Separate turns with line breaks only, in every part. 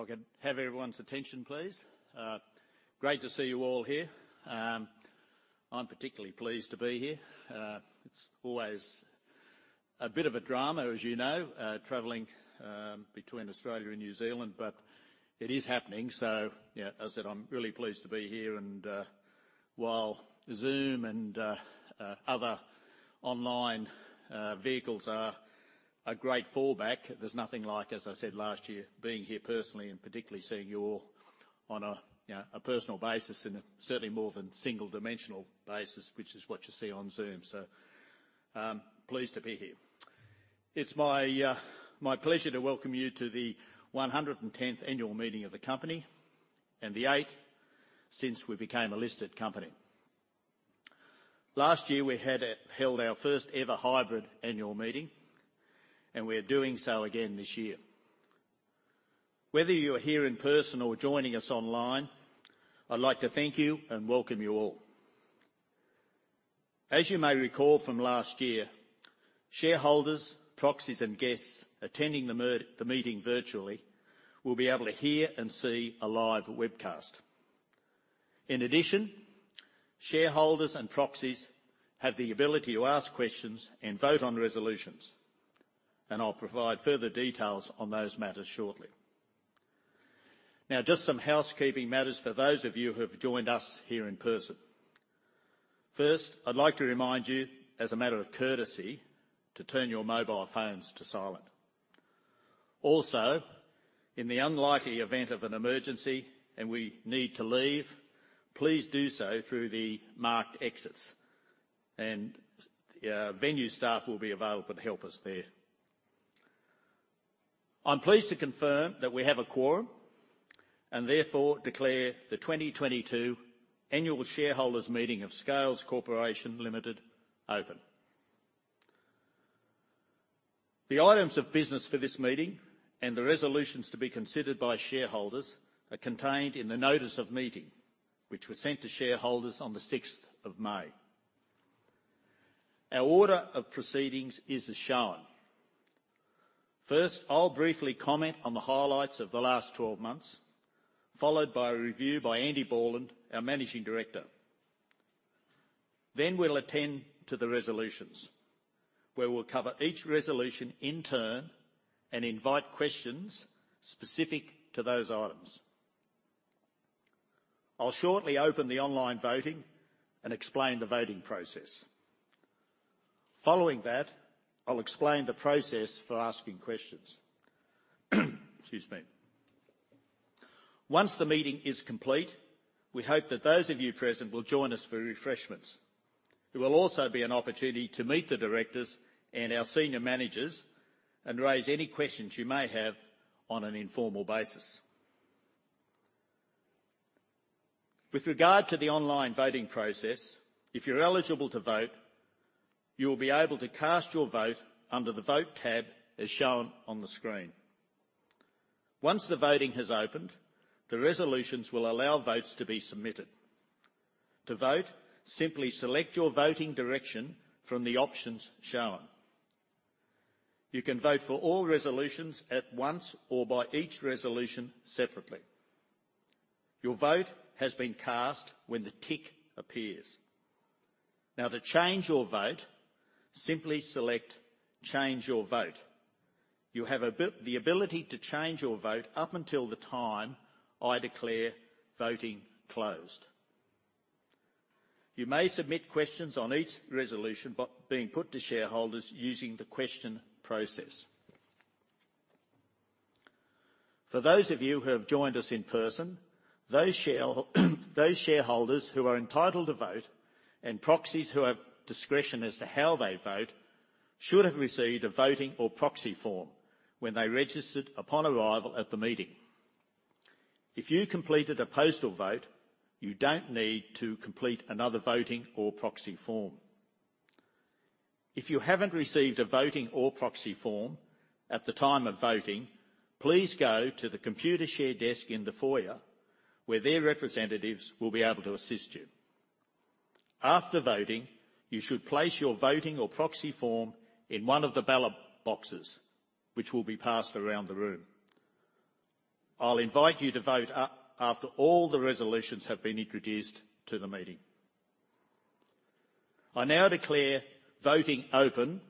If I could have everyone's attention, please. Great to see you all here. I'm particularly pleased to be here. It's always a bit of a drama, as you know, traveling between Australia and New Zealand. It is happening, so yeah, as I said, I'm really pleased to be here and, while Zoom and other online vehicles are a great fallback, there's nothing like, as I said last year, being here personally and particularly seeing you all on a, you know, a personal basis and certainly more of a single dimensional basis, which is what you see on Zoom. Pleased to be here. It's my pleasure to welcome you to the 110th annual meeting of the company and the 8th since we became a listed company. Last year, we had held our first ever hybrid annual meeting, and we are doing so again this year. Whether you're here in person or joining us online, I'd like to thank you and welcome you all. As you may recall from last year, shareholders, proxies, and guests attending the meeting virtually will be able to hear and see a live webcast. In addition, shareholders and proxies have the ability to ask questions and vote on resolutions. I'll provide further details on those matters shortly. Now, just some housekeeping matters for those of you who have joined us here in person. First, I'd like to remind you, as a matter of courtesy, to turn your mobile phones to silent. Also, in the unlikely event of an emergency and we need to leave, please do so through the marked exits and venue staff will be available to help us there. I'm pleased to confirm that we have a quorum and therefore declare the 2022 Annual Shareholders' Meeting of Scales Corporation Limited open. The items of business for this meeting and the resolutions to be considered by shareholders are contained in the notice of meeting, which was sent to shareholders on the sixth of May. Our order of proceedings is as shown. First, I'll briefly comment on the highlights of the last 12 months, followed by a review by Andy Borland, our managing director. Then we'll attend to the resolutions, where we'll cover each resolution in turn and invite questions specific to those items. I'll shortly open the online voting and explain the voting process. Following that, I'll explain the process for asking questions. Excuse me. Once the meeting is complete, we hope that those of you present will join us for refreshments. There will also be an opportunity to meet the directors and our senior managers and raise any questions you may have on an informal basis. With regard to the online voting process, if you're eligible to vote, you will be able to cast your vote under the Vote tab as shown on the screen. Once the voting has opened, the resolutions will allow votes to be submitted. To vote, simply select your voting direction from the options shown. You can vote for all resolutions at once or by each resolution separately. Your vote has been cast when the tick appears. Now, to change your vote, simply select Change Your Vote. You have the ability to change your vote up until the time I declare voting closed. You may submit questions on each resolution being put to shareholders using the question process. For those of you who have joined us in person, those shareholders who are entitled to vote and proxies who have discretion as to how they vote should have received a voting or proxy form when they registered upon arrival at the meeting. If you completed a postal vote, you don't need to complete another voting or proxy form. If you haven't received a voting or proxy form at the time of voting, please go to the Computershare desk in the foyer, where their representatives will be able to assist you. After voting, you should place your voting or proxy form in one of the ballot boxes, which will be passed around the room. I'll invite you to vote after all the resolutions have been introduced to the meeting. I now declare voting open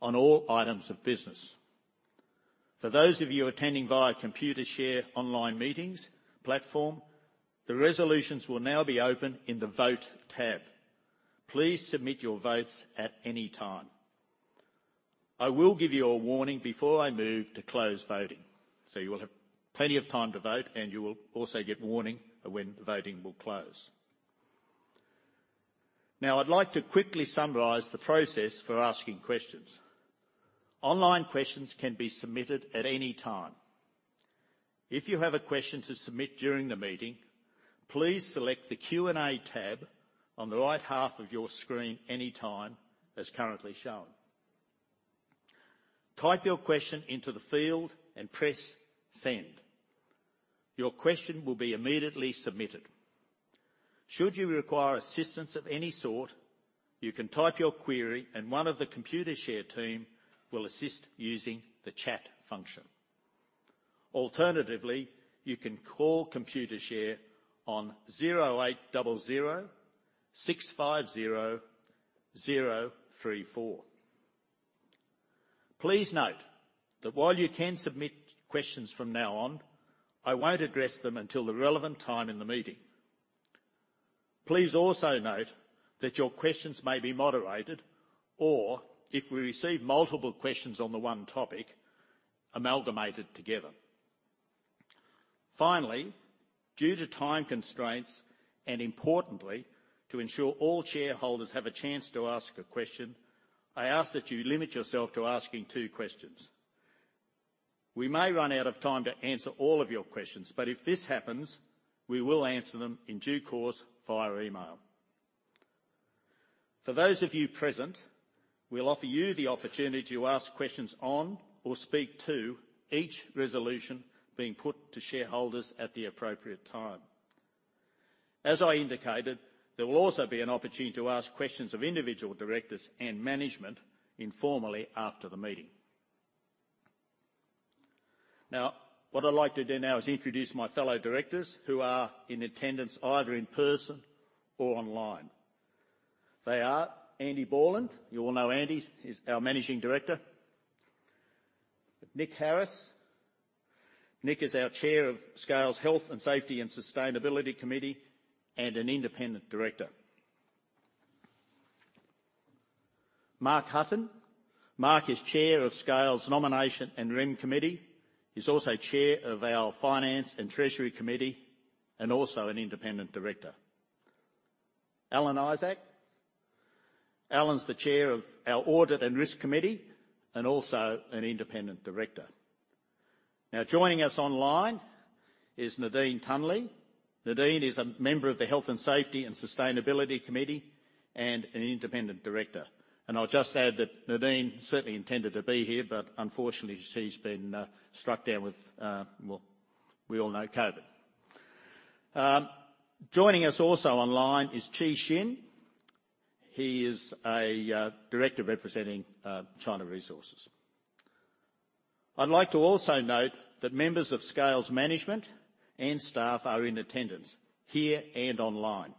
on all items of business. For those of you attending via Computershare online meetings platform, the resolutions will now be open in the Vote tab. Please submit your votes at any time. I will give you a warning before I move to close voting, so you will have plenty of time to vote, and you will also get warning of when voting will close. Now, I'd like to quickly summarize the process for asking questions. Online questions can be submitted at any time. If you have a question to submit during the meeting, please select the Q&A tab on the right half of your screen anytime, as currently shown. Type your question into the field and press Send. Your question will be immediately submitted. Should you require assistance of any sort, you can type your query and one of the Computershare team will assist using the chat function. Alternatively, you can call Computershare on 0800 650 034. Please note that while you can submit questions from now on, I won't address them until the relevant time in the meeting. Please also note that your questions may be moderated or if we receive multiple questions on the one topic, amalgamated together. Finally, due to time constraints, and importantly, to ensure all shareholders have a chance to ask a question, I ask that you limit yourself to asking two questions. We may run out of time to answer all of your questions, but if this happens, we will answer them in due course via email. For those of you present, we'll offer you the opportunity to ask questions on or speak to each resolution being put to shareholders at the appropriate time. As I indicated, there will also be an opportunity to ask questions of individual directors and management informally after the meeting. Now, what I'd like to do now is introduce my fellow directors who are in attendance either in person or online. They are Andy Borland. You all know Andy. He's our managing director. Nick Harris. Nick is our chair of Scales' Health and Safety and Sustainability Committee and an independent director. Mark Hutton. Mark is chair of Scales' Nominations and Remuneration Committee. He's also chair of our Finance and Treasury Committee, and also an independent director. Alan Isaac. Alan's the chair of our Audit and Risk Committee, and also an independent director. Now, joining us online is Nadine Tunley. Nadine is a member of the Health and Safety and Sustainability Committee and an independent director. I'll just add that Nadine certainly intended to be here, but unfortunately she's been struck down with well, we all know, COVID. Joining us also online is Qi Xin. He is a director representing China Resources. I'd like to also note that members of Scales' management and staff are in attendance here and online,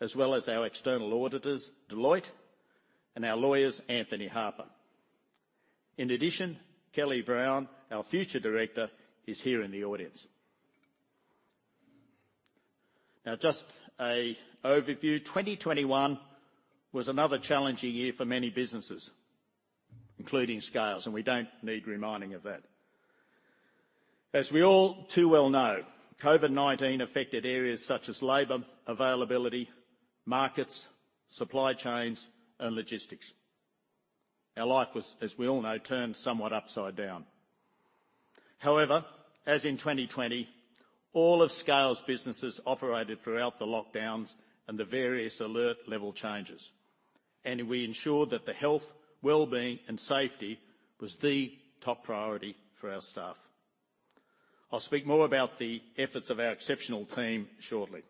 as well as our external auditors, Deloitte, and our lawyers, Anthony Harper. In addition, Kelly Brown, our Future Director, is here in the audience. Now, just an overview. 2021 was another challenging year for many businesses, including Scales, and we don't need reminding of that. As we all too well know, COVID-19 affected areas such as labor availability, markets, supply chains, and logistics. Our life was, as we all know, turned somewhat upside down. However, as in 2020, all of Scales' businesses operated throughout the lockdowns and the various alert level changes. We ensured that the health, well-being, and safety was the top priority for our staff. I'll speak more about the efforts of our exceptional team shortly.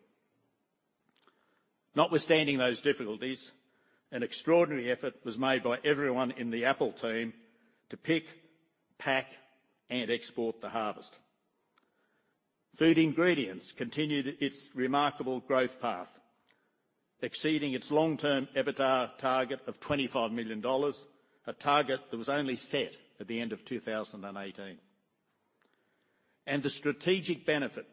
Notwithstanding those difficulties, an extraordinary effort was made by everyone in the apple team to pick, pack, and export the harvest. Food Ingredients continued its remarkable growth path, exceeding its long-term EBITDA target of NZD 25 million, a target that was only set at the end of 2018. The strategic benefit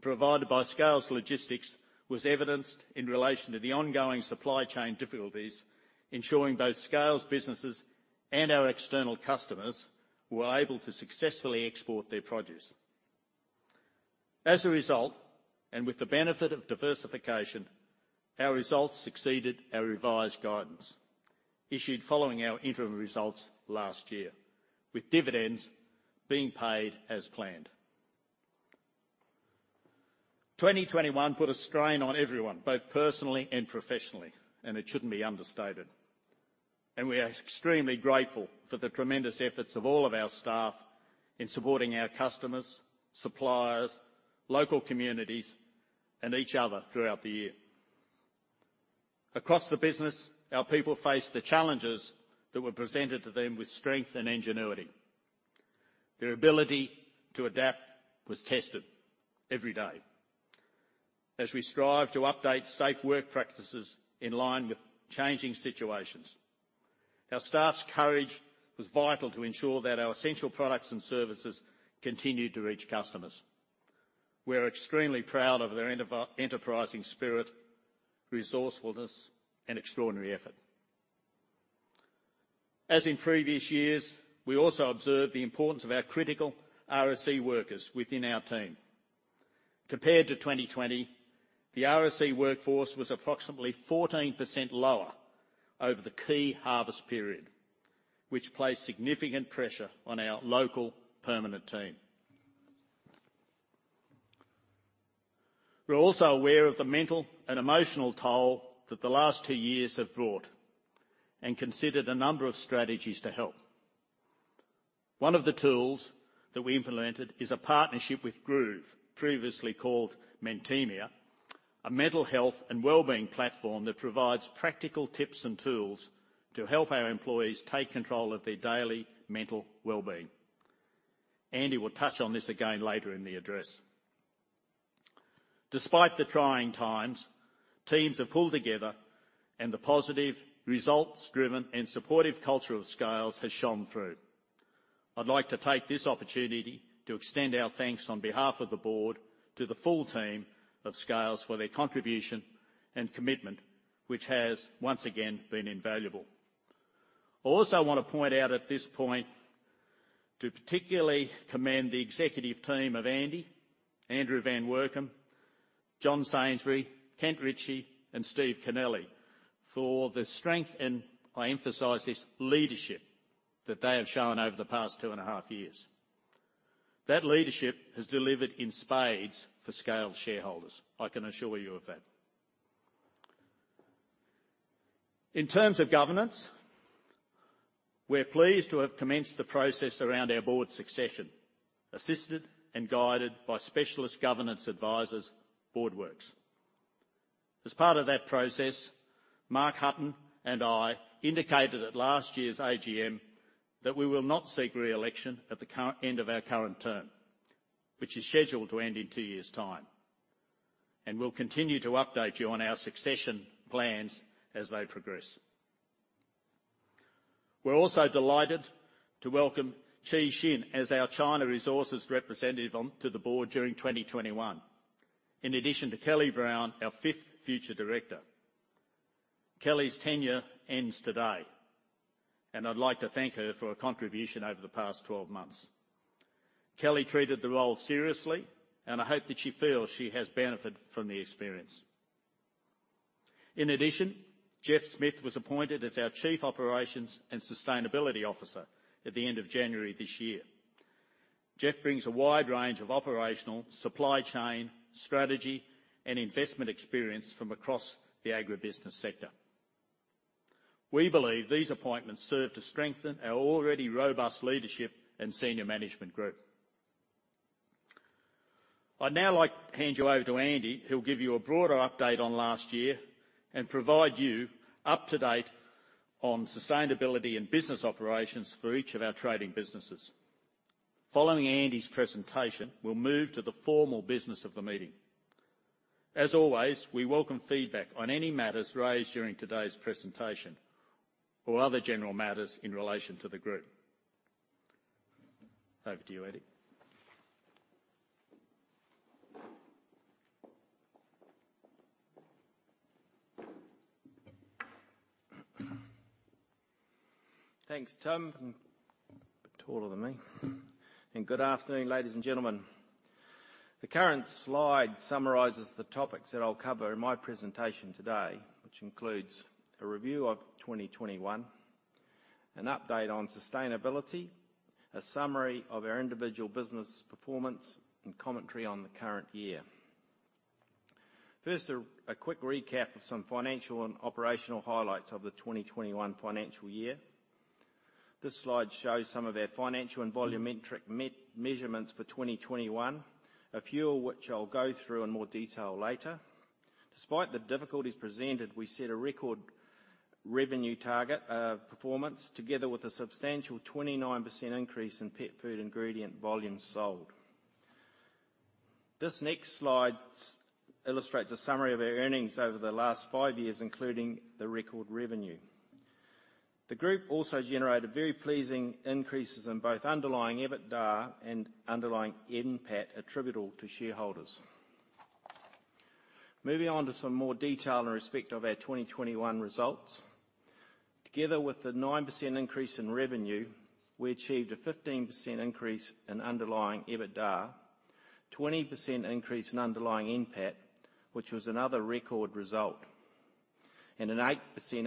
provided by Scales Logistics was evidenced in relation to the ongoing supply chain difficulties, ensuring both Scales businesses and our external customers were able to successfully export their produce. As a result, and with the benefit of diversification, our results exceeded our revised guidance issued following our interim results last year with dividends being paid as planned. 2021 put a strain on everyone, both personally and professionally, and it shouldn't be understated. We are extremely grateful for the tremendous efforts of all of our staff in supporting our customers, suppliers, local communities, and each other throughout the year. Across the business, our people faced the challenges that were presented to them with strength and ingenuity. Their ability to adapt was tested every day as we strived to update safe work practices in line with changing situations. Our staff's courage was vital to ensure that our essential products and services continued to reach customers. We're extremely proud of their enterprising spirit, resourcefulness, and extraordinary effort. As in previous years, we also observed the importance of our critical RSE workers within our team. Compared to 2020, the RSE workforce was approximately 14% lower over the key harvest period, which placed significant pressure on our local permanent team. We're also aware of the mental and emotional toll that the last two years have brought and considered a number of strategies to help. One of the tools that we implemented is a partnership with Groov, previously called Mentemia, a mental health and wellbeing platform that provides practical tips and tools to help our employees take control of their daily mental wellbeing. Andy will touch on this again later in the address. Despite the trying times, teams have pulled together and the positive results driven and supportive culture of Scales has shone through. I'd like to take this opportunity to extend our thanks on behalf of the board to the full team of Scales for their contribution and commitment, which has once again been invaluable. I also wanna point out at this point to particularly commend the executive team of Andy, Andrew van Workum, John Sainsbury, Kent Ritchie, and Steve Kennelly for the strength, and I emphasize this, leadership that they have shown over the past 2.5 years. That leadership has delivered in spades for Scales shareholders, I can assure you of that. In terms of governance, we're pleased to have commenced the process around our board succession, assisted and guided by specialist governance advisors, BoardWorks. As part of that process, Mark Hutton and I indicated at last year's AGM that we will not seek reelection at the current end of our current term, which is scheduled to end in two years' time. We'll continue to update you on our succession plans as they progress. We're also delighted to welcome Qi Xin as our China Resources representative onto the board during 2021, in addition to Kelly Brown, our fifth future director. Kelly's tenure ends today, and I'd like to thank her for her contribution over the past 12 months. Kelly treated the role seriously, and I hope that she feels she has benefited from the experience. In addition, Geoff Smith was appointed as our Chief Operations and Sustainability Officer at the end of January this year. Geoff brings a wide range of operational, supply chain, strategy, and investment experience from across the agribusiness sector. We believe these appointments serve to strengthen our already robust leadership and senior management group. I'd now like to hand you over to Andy, who'll give you a broader update on last year and provide you up-to-date on sustainability and business operations for each of our trading businesses. Following Andy's presentation, we'll move to the formal business of the meeting. As always, we welcome feedback on any matters raised during today's presentation or other general matters in relation to the group. Over to you, Andy.
Thanks, Tim. Bit taller than me. Good afternoon, ladies and gentlemen. The current slide summarizes the topics that I'll cover in my presentation today, which includes a review of 2021, an update on sustainability, a summary of our individual business performance, and commentary on the current year. First, a quick recap of some financial and operational highlights of the 2021 financial year. This slide shows some of our financial and volumetric measurements for 2021, a few of which I'll go through in more detail later. Despite the difficulties presented, we set a record revenue target performance together with a substantial 29% increase in pet food ingredient volumes sold. This next slide illustrates a summary of our earnings over the last five years, including the record revenue. The group also generated very pleasing increases in both underlying EBITDA and underlying NPAT attributable to shareholders. Moving on to some more detail in respect of our 2021 results. Together with the 9% increase in revenue, we achieved a 15% increase in underlying EBITDA, 20% increase in underlying NPAT, which was another record result, and an 8%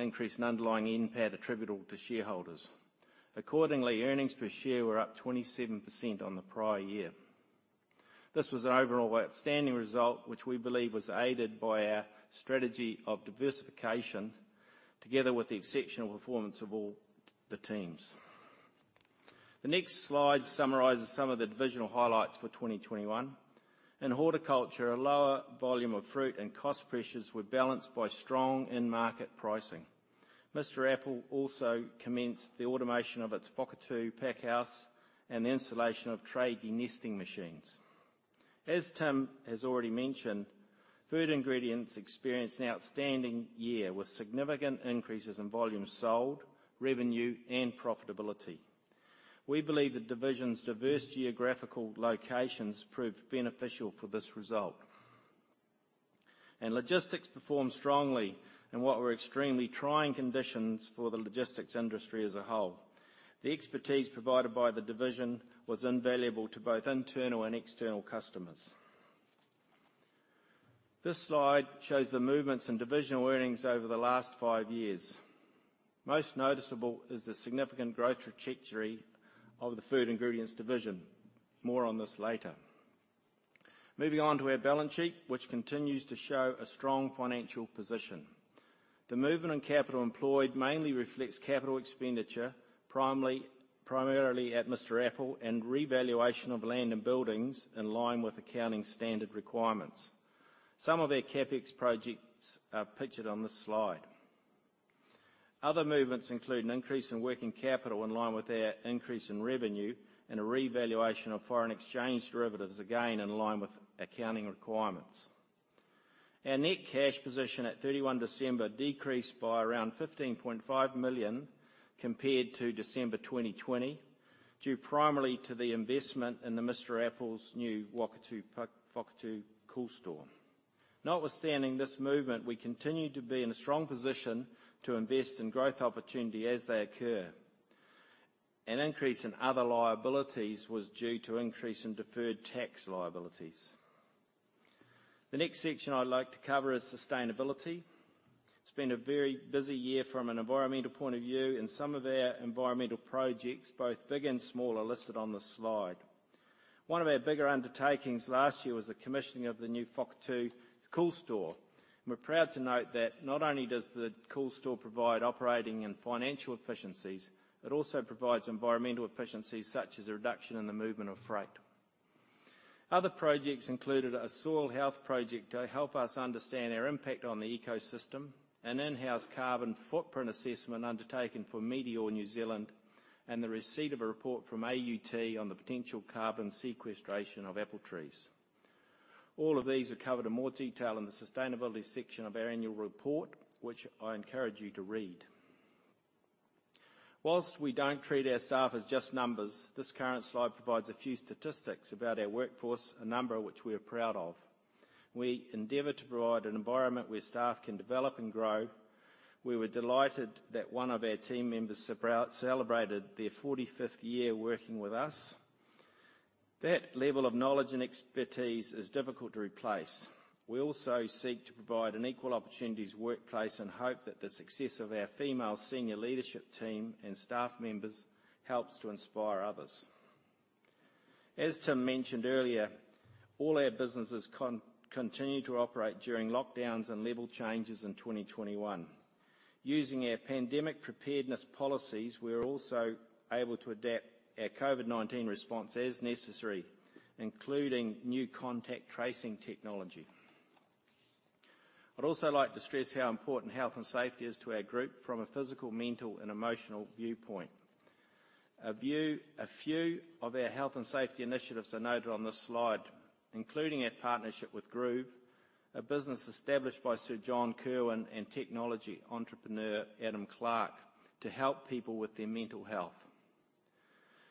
increase in underlying NPAT attributable to shareholders. Accordingly, earnings per share were up 27% on the prior year. This was an overall outstanding result, which we believe was aided by our strategy of diversification, together with the exceptional performance of all the teams. The next slide summarizes some of the divisional highlights for 2021. In horticulture, a lower volume of fruit and cost pressures were balanced by strong end market pricing. Mr Apple also commenced the automation of its Whakatū packhouse and the installation of tray denester machines. As Tim has already mentioned, Food Ingredients experienced an outstanding year with significant increases in volumes sold, revenue, and profitability. We believe the division's diverse geographical locations proved beneficial for this result. Logistics performed strongly in what were extremely trying conditions for the logistics industry as a whole. The expertise provided by the division was invaluable to both internal and external customers. This slide shows the movements in divisional earnings over the last five years. Most noticeable is the significant growth trajectory of the Food Ingredients division. More on this later. Moving on to our balance sheet, which continues to show a strong financial position. The movement in capital employed mainly reflects capital expenditure primarily at Mr Apple and revaluation of land and buildings in line with accounting standard requirements. Some of our CapEx projects are pictured on this slide. Other movements include an increase in working capital in line with our increase in revenue and a revaluation of foreign exchange derivatives, again in line with accounting requirements. Our net cash position at 31 December decreased by around 15.5 million compared to December 2020, due primarily to the investment in the Mr Apple new Whakatū cool store. Notwithstanding this movement, we continue to be in a strong position to invest in growth opportunity as they occur. An increase in other liabilities was due to increase in deferred tax liabilities. The next section I'd like to cover is sustainability. It's been a very busy year from an environmental point of view, and some of our environmental projects, both big and small, are listed on this slide. One of our bigger undertakings last year was the commissioning of the new Whakatū cool store. We're proud to note that not only does the cool store provide operating and financial efficiencies, it also provides environmental efficiencies such as a reduction in the movement of freight. Other projects included a soil health project to help us understand our impact on the ecosystem, an in-house carbon footprint assessment undertaken for Meateor New Zealand, and the receipt of a report from AUT on the potential carbon sequestration of apple trees. All of these are covered in more detail in the sustainability section of our annual report, which I encourage you to read. While we don't treat our staff as just numbers, this current slide provides a few statistics about our workforce, a number which we are proud of. We endeavor to provide an environment where staff can develop and grow. We were delighted that one of our team members celebrated their forty-fifth year working with us. That level of knowledge and expertise is difficult to replace. We also seek to provide an equal opportunities workplace and hope that the success of our female senior leadership team and staff members helps to inspire others. As Tim mentioned earlier, all our businesses continue to operate during lockdowns and level changes in 2021. Using our pandemic preparedness policies, we're also able to adapt our COVID-19 response as necessary, including new contact tracing technology. I'd also like to stress how important health and safety is to our group from a physical, mental, and emotional viewpoint. A few of our health and safety initiatives are noted on this slide, including our partnership with Groov, a business established by Sir John Kirwan and technology entrepreneur Adam Clark, to help people with their mental health.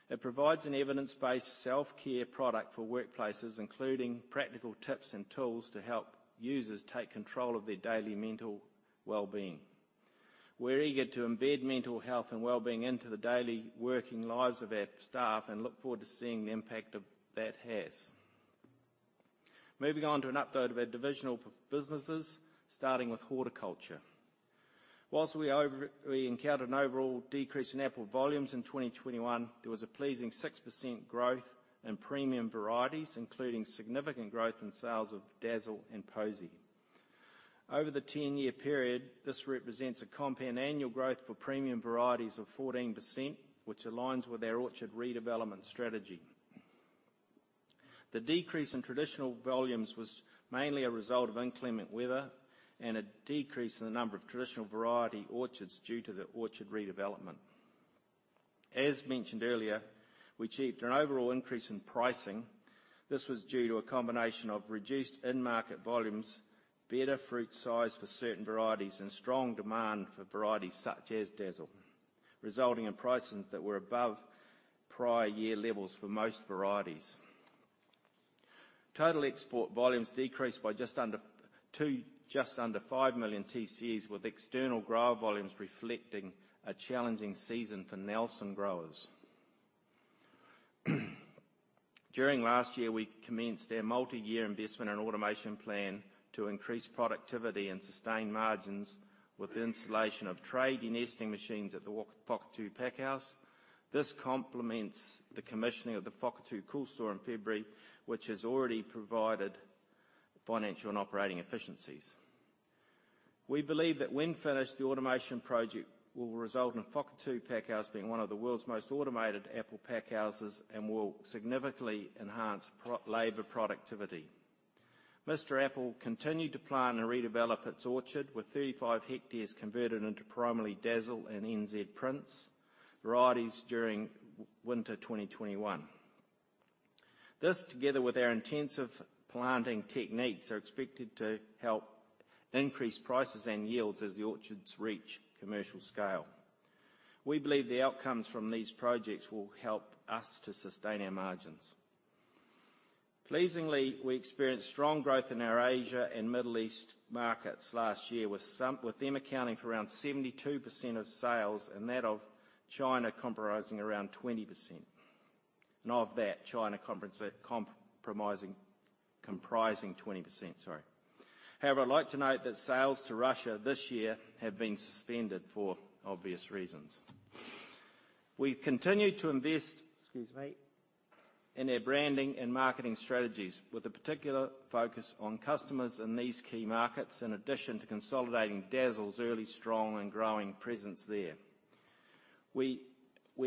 It provides an evidence-based self-care product for workplaces, including practical tips and tools to help users take control of their daily mental wellbeing. We're eager to embed mental health and wellbeing into the daily working lives of our staff and look forward to seeing the impact of that has. Moving on to an update of our divisional businesses, starting with horticulture. While we encountered an overall decrease in apple volumes in 2021, there was a pleasing 6% growth in premium varieties, including significant growth in sales of Dazzle and Posy. Over the 10-year period, this represents a compound annual growth for premium varieties of 14%, which aligns with our orchard redevelopment strategy. The decrease in traditional volumes was mainly a result of inclement weather and a decrease in the number of traditional variety orchards due to the orchard redevelopment. As mentioned earlier, we achieved an overall increase in pricing. This was due to a combination of reduced end-market volumes, better fruit size for certain varieties, and strong demand for varieties such as Dazzle, resulting in pricings that were above prior year levels for most varieties. Total export volumes decreased by just under five million TCEs, with external grower volumes reflecting a challenging season for Nelson growers. During last year, we commenced our multi-year investment and automation plan to increase productivity and sustain margins with the installation of tray denester machines at the Whakatū packhouse. This complements the commissioning of the Whakatū cool store in February, which has already provided financial and operating efficiencies. We believe that when finished, the automation project will result in Whakatū packhouse being one of the world's most automated apple packhouses and will significantly enhance labor productivity. Mr Apple continued to plant and redevelop its orchard, with 35 hectares converted into primarily Dazzle and NZ Prince varieties during winter 2021. This, together with our intensive planting techniques, are expected to help increase prices and yields as the orchards reach commercial scale. We believe the outcomes from these projects will help us to sustain our margins. Pleasingly, we experienced strong growth in our Asia and Middle East markets last year with them accounting for around 72% of sales and that of China comprising around 20%. Of that, China comprising 20%. However, I'd like to note that sales to Russia this year have been suspended for obvious reasons. We've continued to invest, excuse me, in our branding and marketing strategies, with a particular focus on customers in these key markets, in addition to consolidating Dazzle's early, strong, and growing presence there. We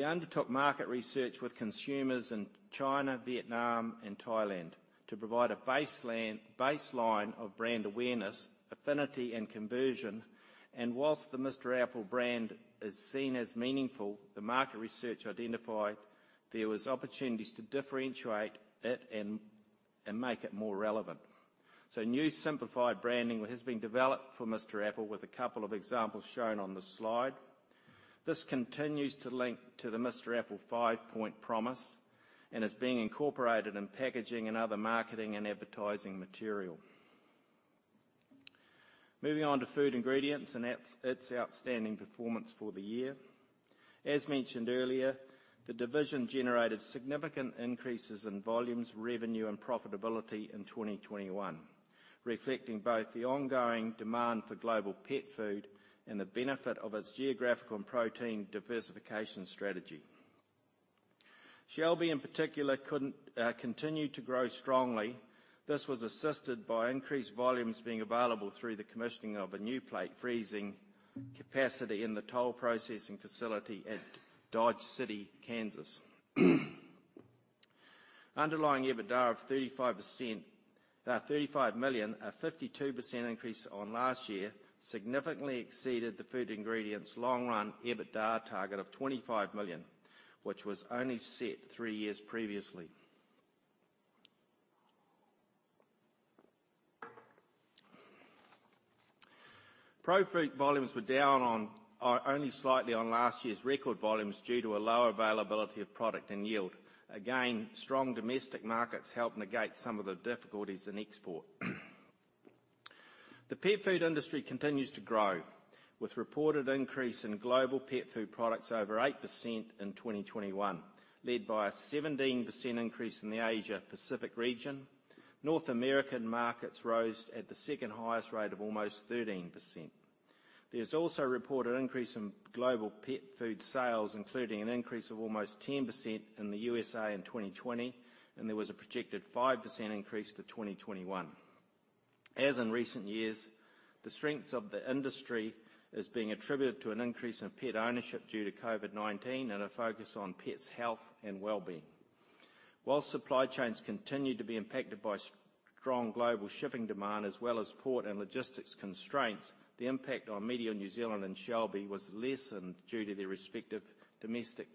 undertook market research with consumers in China, Vietnam, and Thailand to provide a baseline of brand awareness, affinity, and conversion. While the Mr Apple brand is seen as meaningful, the market research identified there was opportunities to differentiate it and make it more relevant. New simplified branding has been developed for Mr Apple, with a couple of examples shown on the slide. This continues to link to the Mr Apple five-point promise and is being incorporated in packaging and other marketing and advertising material. Moving on to Food Ingredients and its outstanding performance for the year. As mentioned earlier, the division generated significant increases in volumes, revenue, and profitability in 2021, reflecting both the ongoing demand for global pet food and the benefit of its geographical and protein diversification strategy. Shelby in particular continued to grow strongly. This was assisted by increased volumes being available through the commissioning of a new plate freezing capacity in the toll processing facility at Dodge City, Kansas. Underlying EBITDA of 35 million, a 52% increase on last year, significantly exceeded the Food Ingredients' long-run EBITDA target of 25 million, which was only set three years previously. Profruit volumes were down only slightly on last year's record volumes due to a lower availability of product and yield. Again, strong domestic markets helped negate some of the difficulties in export. The pet food industry continues to grow, with reported increase in global pet food products over 8% in 2021, led by a 17% increase in the Asia Pacific region. North American markets rose at the second highest rate of almost 13%. There's also a reported increase in global pet food sales, including an increase of almost 10% in the USA in 2020, and there was a projected 5% increase for 2021. As in recent years, the strengths of the industry is being attributed to an increase in pet ownership due to COVID-19 and a focus on pets' health and well-being. While supply chains continued to be impacted by strong global shipping demand, as well as port and logistics constraints, the impact on Meateor New Zealand and Shelby was lessened due to their respective domestic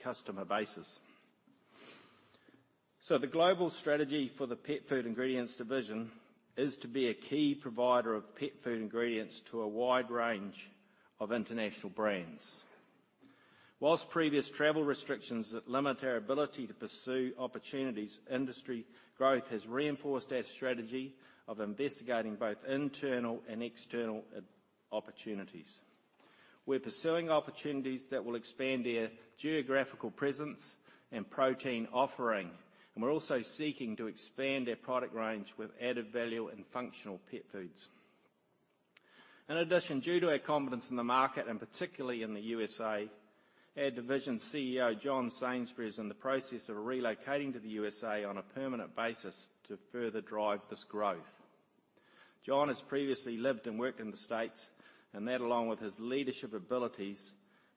customer bases. The global strategy for the Meateor division is to be a key provider of pet food ingredients to a wide range of international brands. While previous travel restrictions that limit our ability to pursue opportunities, industry growth has reinforced our strategy of investigating both internal and external opportunities. We're pursuing opportunities that will expand our geographical presence and protein offering, and we're also seeking to expand our product range with added value and functional pet foods. In addition, due to our confidence in the market, and particularly in the USA, our division CEO, John Sainsbury, is in the process of relocating to the USA on a permanent basis to further drive this growth. John has previously lived and worked in the States, and that, along with his leadership abilities,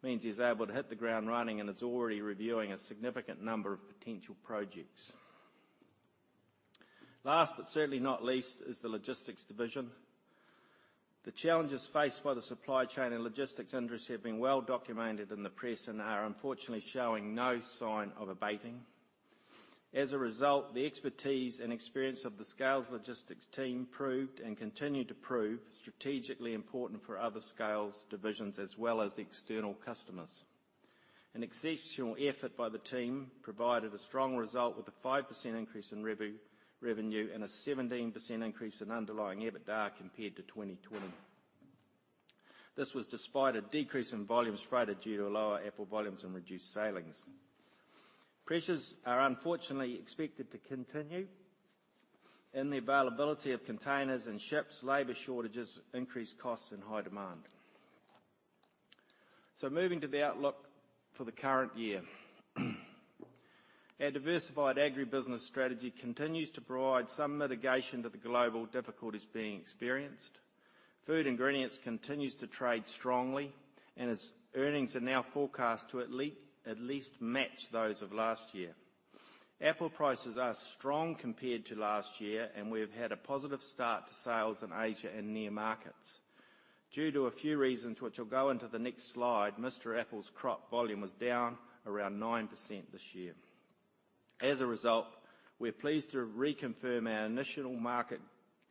means he's able to hit the ground running, and is already reviewing a significant number of potential projects. Last, but certainly not least, is the Logistics division. The challenges faced by the supply chain and logistics industry have been well documented in the press and are unfortunately showing no sign of abating. As a result, the expertise and experience of the Scales Logistics team proved, and continue to prove, strategically important for other Scales divisions, as well as external customers. An exceptional effort by the team provided a strong result with a 5% increase in revenue and a 17% increase in underlying EBITDA compared to 2020. This was despite a decrease in volumes freighted due to lower apple volumes and reduced sailings. Pressures are unfortunately expected to continue in the availability of containers and ships, labor shortages, increased costs, and high demand. Moving to the outlook for the current year. Our diversified agribusiness strategy continues to provide some mitigation to the global difficulties being experienced. Food Ingredients continues to trade strongly, and its earnings are now forecast to at least match those of last year. Apple prices are strong compared to last year, and we have had a positive start to sales in Asia and near markets. Due to a few reasons, which I'll go into the next slide, Mr Apple's crop volume was down around 9% this year. As a result, we're pleased to reconfirm our initial market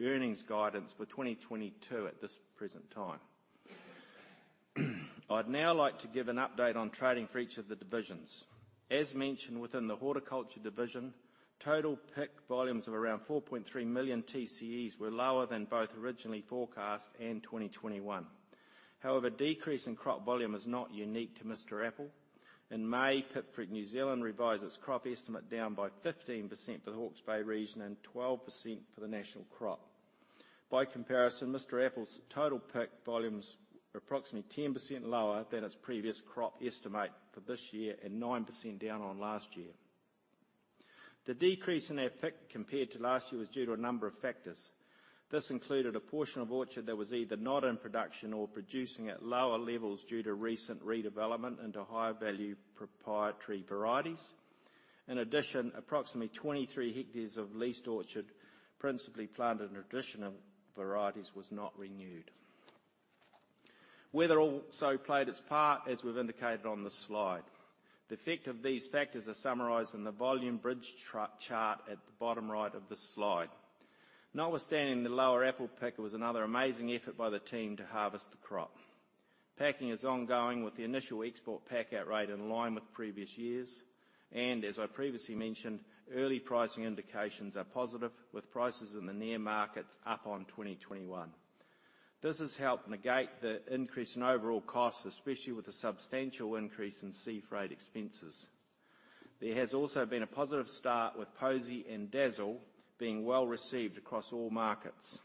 earnings guidance for 2022 at this present time. I'd now like to give an update on trading for each of the divisions. As mentioned within the Horticulture division, total pick volumes of around 4.3 million TCEs were lower than both originally forecast and 2021. However, decrease in crop volume is not unique to Mr Apple. In May, Pipfruit New Zealand revised its crop estimate down by 15% for the Hawke's Bay region and 12% for the national crop. By comparison, Mr Apple's total picked volumes are approximately 10% lower than its previous crop estimate for this year and 9% down on last year. The decrease in our pick compared to last year was due to a number of factors. This included a portion of orchard that was either not in production or producing at lower levels due to recent redevelopment into higher value proprietary varieties. In addition, approximately 23 hectares of leased orchard, principally planted in traditional varieties, was not renewed. Weather also played its part, as we've indicated on the slide. The effect of these factors are summarized in the volume bridge chart at the bottom right of the slide. Notwithstanding the lower apple pick, it was another amazing effort by the team to harvest the crop. Packing is ongoing with the initial export packout rate in line with previous years, and as I previously mentioned, early pricing indications are positive, with prices in the key markets up on 2021. This has helped negate the increase in overall costs, especially with the substantial increase in sea freight expenses. There has also been a positive start with Posy and Dazzle being well-received across all markets.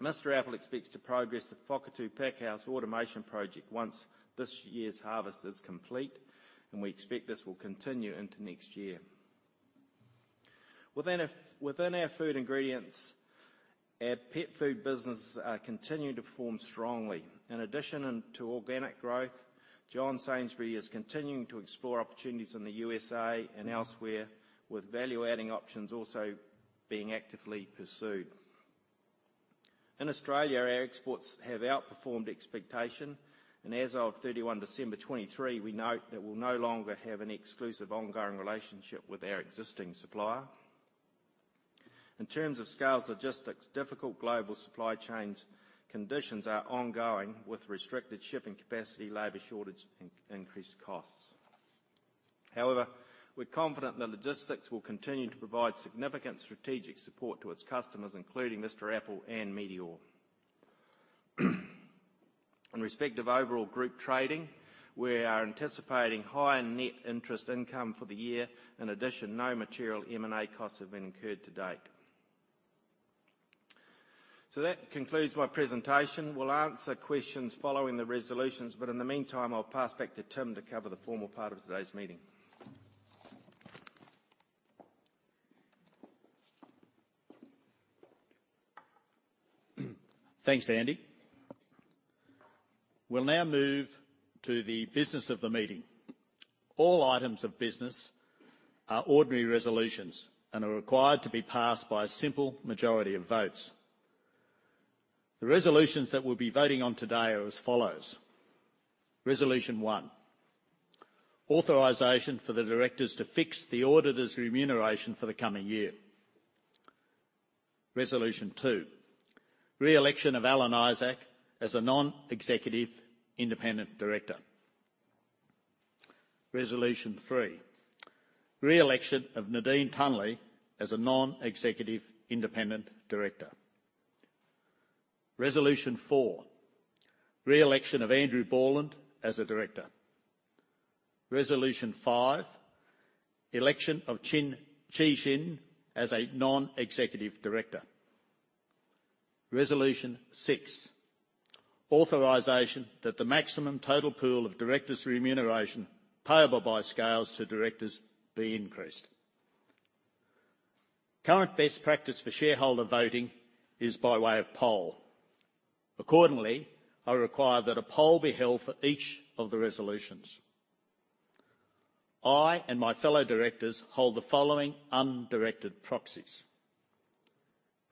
Mr. Apple expects to progress the Whakatū pack house automation project once this year's harvest is complete, and we expect this will continue into next year. Within our food ingredients, our pet food business continues to perform strongly. In addition to organic growth, John Sainsbury is continuing to explore opportunities in the USA and elsewhere, with value-adding options also being actively pursued. In Australia, our exports have outperformed expectations, and as of 31 December 2023, we note that we'll no longer have an exclusive ongoing relationship with our existing supplier. In terms of Scales Logistics, difficult global supply chain conditions are ongoing, with restricted shipping capacity, labor shortage, and increased costs. However, we're confident that logistics will continue to provide significant strategic support to its customers, including Mr Apple and Meateor. In respect of overall group trading, we are anticipating higher net interest income for the year. In addition, no material M&A costs have been incurred to date. That concludes my presentation. We'll answer questions following the resolutions, but in the meantime, I'll pass back to Tim to cover the formal part of today's meeting.
Thanks, Andy. We'll now move to the business of the meeting. All items of business are ordinary resolutions and are required to be passed by a simple majority of votes. The resolutions that we'll be voting on today are as follows. Resolution one, authorization for the directors to fix the auditor's remuneration for the coming year. Resolution two, re-election of Alan Isaac as a non-executive independent director. Resolution three, re-election of Nadine Tunley as a non-executive independent director. Resolution four, re-election of Andy Borland as a director. Resolution five, election of Qi Xin as a non-executive director. Resolution six, authorization that the maximum total pool of directors' remuneration payable by Scales to directors be increased. Current best practice for shareholder voting is by way of poll. Accordingly, I require that a poll be held for each of the resolutions. I and my fellow directors hold the following undirected proxies.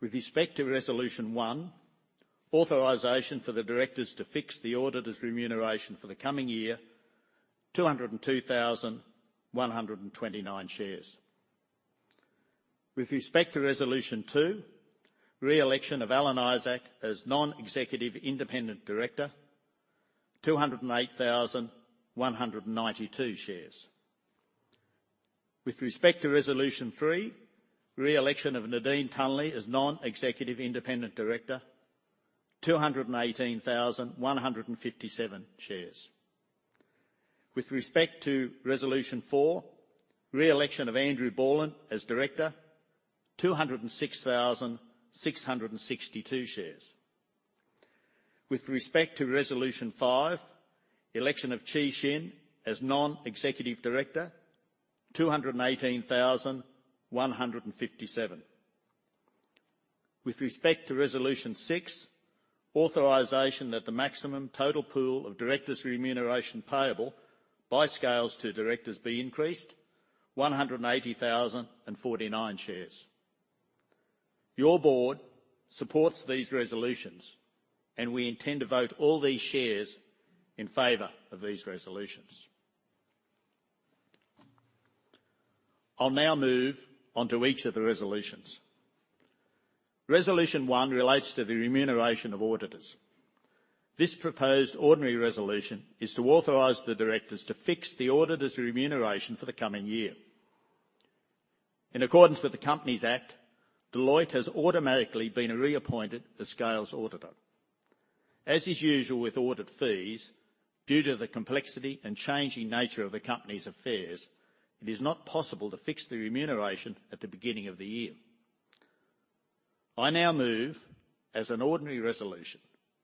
With respect to resolution one, authorization for the directors to fix the auditor's remuneration for the coming year, 202,129 shares. With respect to resolution two, re-election of Alan Isaac as non-executive independent director, 208,192 shares. With respect to resolution three, re-election of Nadine Tunley as non-executive independent director, 218,157 shares. With respect to resolution four, re-election of Andy Borland as director, 206,662 shares. With respect to resolution five, election of Qi Xin as non-executive director, 218,157. With respect to resolution six, authorization that the maximum total pool of directors' remuneration payable by Scales to directors be increased 180,049 shares. Your board supports these resolutions, and we intend to vote all these shares in favor of these resolutions. I'll now move on to each of the resolutions. Resolution one relates to the remuneration of auditors. This proposed ordinary resolution is to authorize the directors to fix the auditor's remuneration for the coming year. In accordance with the Companies Act, Deloitte has automatically been reappointed as Scales auditor. As is usual with audit fees, due to the complexity and changing nature of the company's affairs, it is not possible to fix the remuneration at the beginning of the year. I now move as an ordinary resolution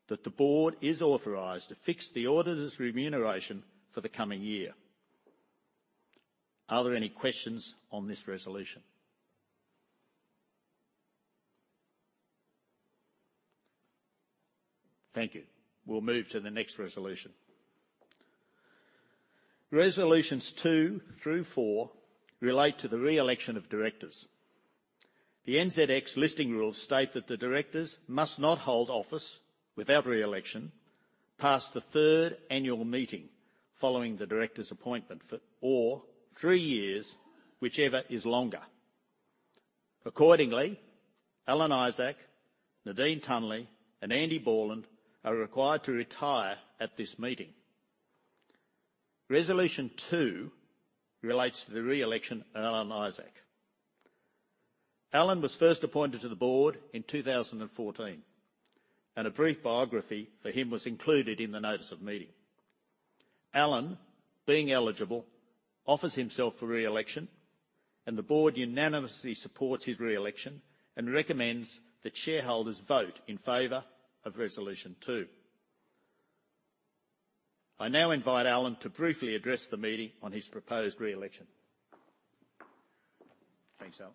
that the board is authorized to fix the auditor's remuneration for the coming year. Are there any questions on this resolution? Thank you. We'll move to the next resolution. Resolutions two through four relate to the re-election of directors. The NZX Listing Rules state that the directors must not hold office without re-election past the third annual meeting following the director's appointment or three years, whichever is longer. Accordingly, Alan Isaac, Nadine Tunley, and Andy Borland are required to retire at this meeting. Resolution two relates to the re-election of Alan Isaac. Alan was first appointed to the board in 2014, and a brief biography for him was included in the notice of meeting. Alan, being eligible, offers himself for re-election, and the board unanimously supports his re-election and recommends that shareholders vote in favor of Resolution two. I now invite Alan to briefly address the meeting on his proposed re-election. Thanks, Alan.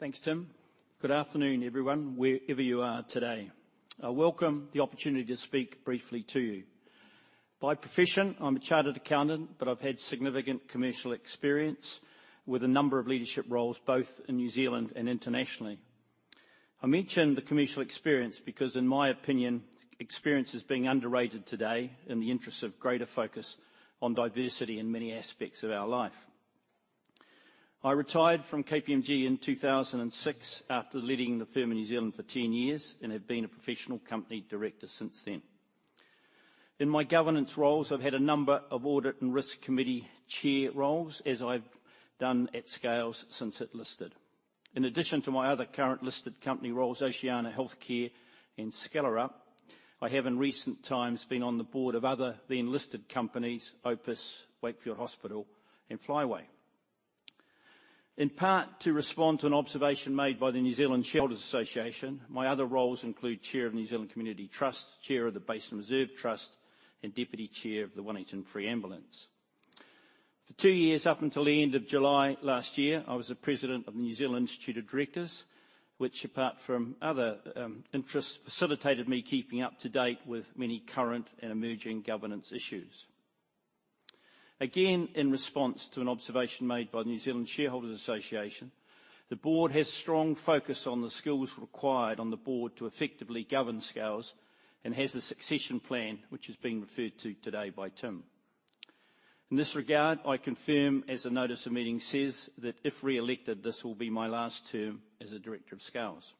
Thanks, Tim. Good afternoon, everyone, wherever you are today. I welcome the opportunity to speak briefly to you. By profession, I'm a chartered accountant, but I've had significant commercial experience with a number of leadership roles, both in New Zealand and internationally. I mention the commercial experience because, in my opinion, experience is being underrated today in the interest of greater focus on diversity in many aspects of our life. I retired from KPMG in 2006 after leading the firm in New Zealand for 10 years and have been a professional company director since then. In my governance roles, I've had a number of audit and risk committee chair roles, as I've done at Scales since it listed. In addition to my other current listed company roles, Oceania Healthcare and Scales, I have in recent times been on the board of other then-listed companies, Opus, Wakefield Hospital, and Flyway. In part, to respond to an observation made by the New Zealand Shareholders' Association, my other roles include chair of New Zealand Community Trust, chair of the Basin Reserve Trust, and deputy chair of the Wellington Free Ambulance. For two years up until the end of July last year, I was the president of the Institute of Directors in New Zealand, which apart from other interests, facilitated me keeping up to date with many current and emerging governance issues. Again, in response to an observation made by the New Zealand Shareholders' Association, the board has strong focus on the skills required on the board to effectively govern Scales and has a succession plan which is being referred to today by Tim. In this regard, I confirm, as the notice of meeting says, that if re-elected, this will be my last term as a director of Scales.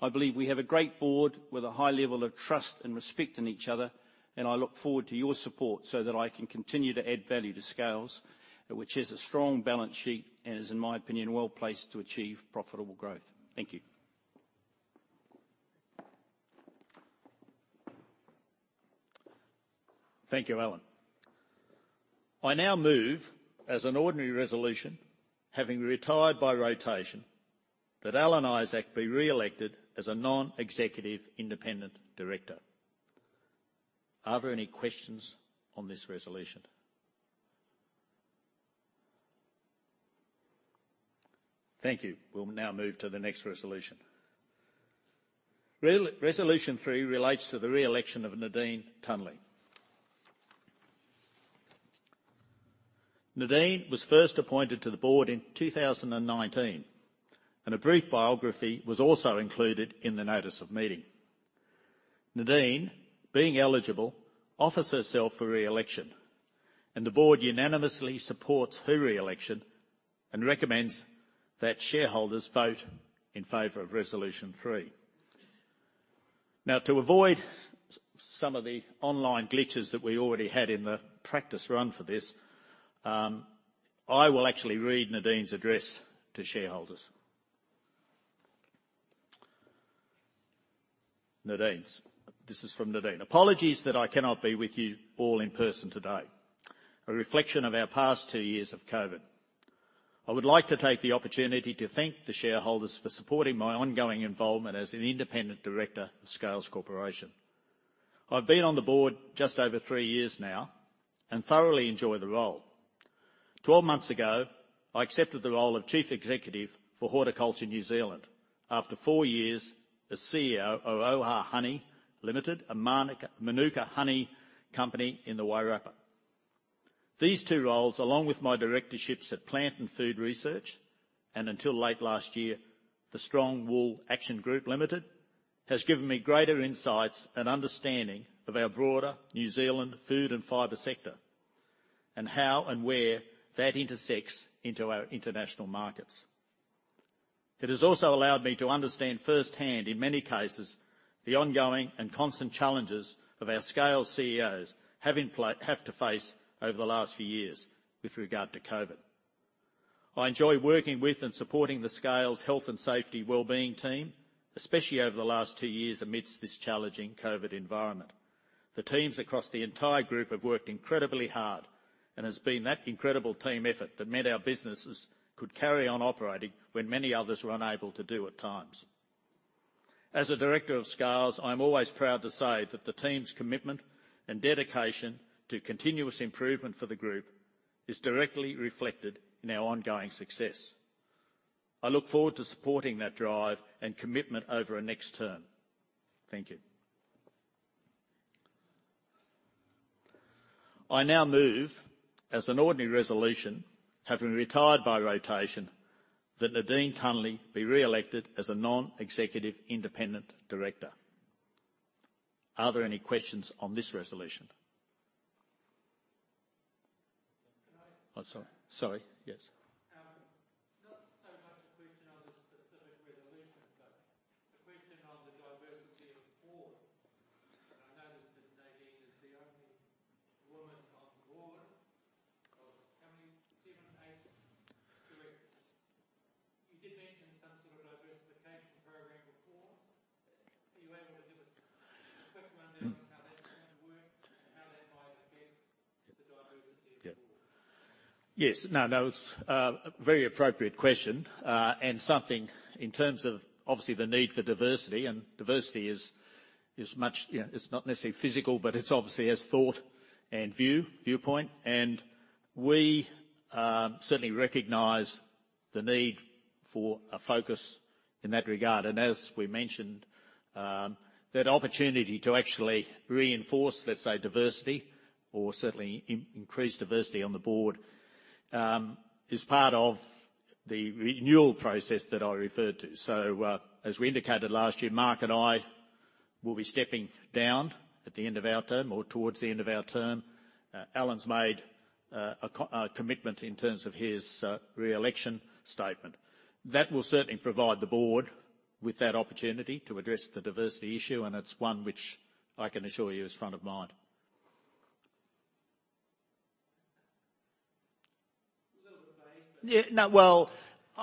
I believe we have a great board with a high level of trust and respect in each other, and I look forward to your support so that I can continue to add value to Scales, which has a strong balance sheet and is, in my opinion, well-placed to achieve profitable growth. Thank you.
Thank you, Alan. I now move as an ordinary resolution, having retired by rotation, that Alan Isaac be re-elected as a non-executive independent director. Are there any questions on this resolution? Thank you. We'll now move to the next resolution. Resolution three relates to the re-election of Nadine Tunley. Nadine was first appointed to the board in 2019, and a brief biography was also included in the notice of meeting. Nadine, being eligible, offers herself for re-election, and the board unanimously supports her re-election and recommends that shareholders vote in favor of resolution three. Now, to avoid some of the online glitches that we already had in the practice run for this, I will actually read Nadine's address to shareholders. This is from Nadine: "Apologies that I cannot be with you all in person today, a reflection of our past two years of COVID-19. I would like to take the opportunity to thank the shareholders for supporting my ongoing involvement as an independent director of Scales Corporation. I've been on the board just over 3 years now and thoroughly enjoy the role. 12 months ago, I accepted the role of chief executive for Horticulture New Zealand after four years as CEO of Oha Honey Limited, a mānuka honey company in the Wairarapa. These two roles, along with my directorships at Plant & Food Research, and until late last year, the Strong Wool Action Group Limited, has given me greater insights and understanding of our broader New Zealand food and fiber sector and how and where that intersects into our international markets. It has also allowed me to understand firsthand, in many cases, the ongoing and constant challenges of our Scales CEOs have to face over the last few years with regard to COVID-19. I enjoy working with and supporting the Scales health and safety wellbeing team, especially over the last two years amidst this challenging COVID-19 environment. The teams across the entire group have worked incredibly hard, and it's been that incredible team effort that meant our businesses could carry on operating when many others were unable to do at times. As a director of Scales, I am always proud to say that the team's commitment and dedication to continuous improvement for the group is directly reflected in our ongoing success. I look forward to supporting that drive and commitment over our next term. Thank you. I now move, as an ordinary resolution, having retired by rotation, that Nadine Tunley be re-elected as a non-executive independent director. Are there any questions on this resolution?
Can I-
Oh, sorry. Sorry, yes.
Not so much a question on the specific resolution, but a question on the diversity of the board. I noticed that Nadine is the only woman on the board of how many? 7, 8 directors. You did mention some sort of diversification program before. Are you able to give us a quick rundown of how that's going to work and how that might affect the diversity of the board?
Yes. No, no, it's a very appropriate question, and something in terms of obviously the need for diversity, and diversity is much. You know, it's not necessarily physical, but it's obviously of thought and viewpoint. We certainly recognize the need for a focus in that regard. As we mentioned, that opportunity to actually reinforce, let's say, diversity or certainly increase diversity on the board is part of the renewal process that I referred to. As we indicated last year, Mark and I will be stepping down at the end of our term or towards the end of our term. Alan's made a commitment in terms of his re-election statement. That will certainly provide the board with that opportunity to address the diversity issue, and it's one which I can assure you is front of mind.
A little vague.
Yeah. No, well,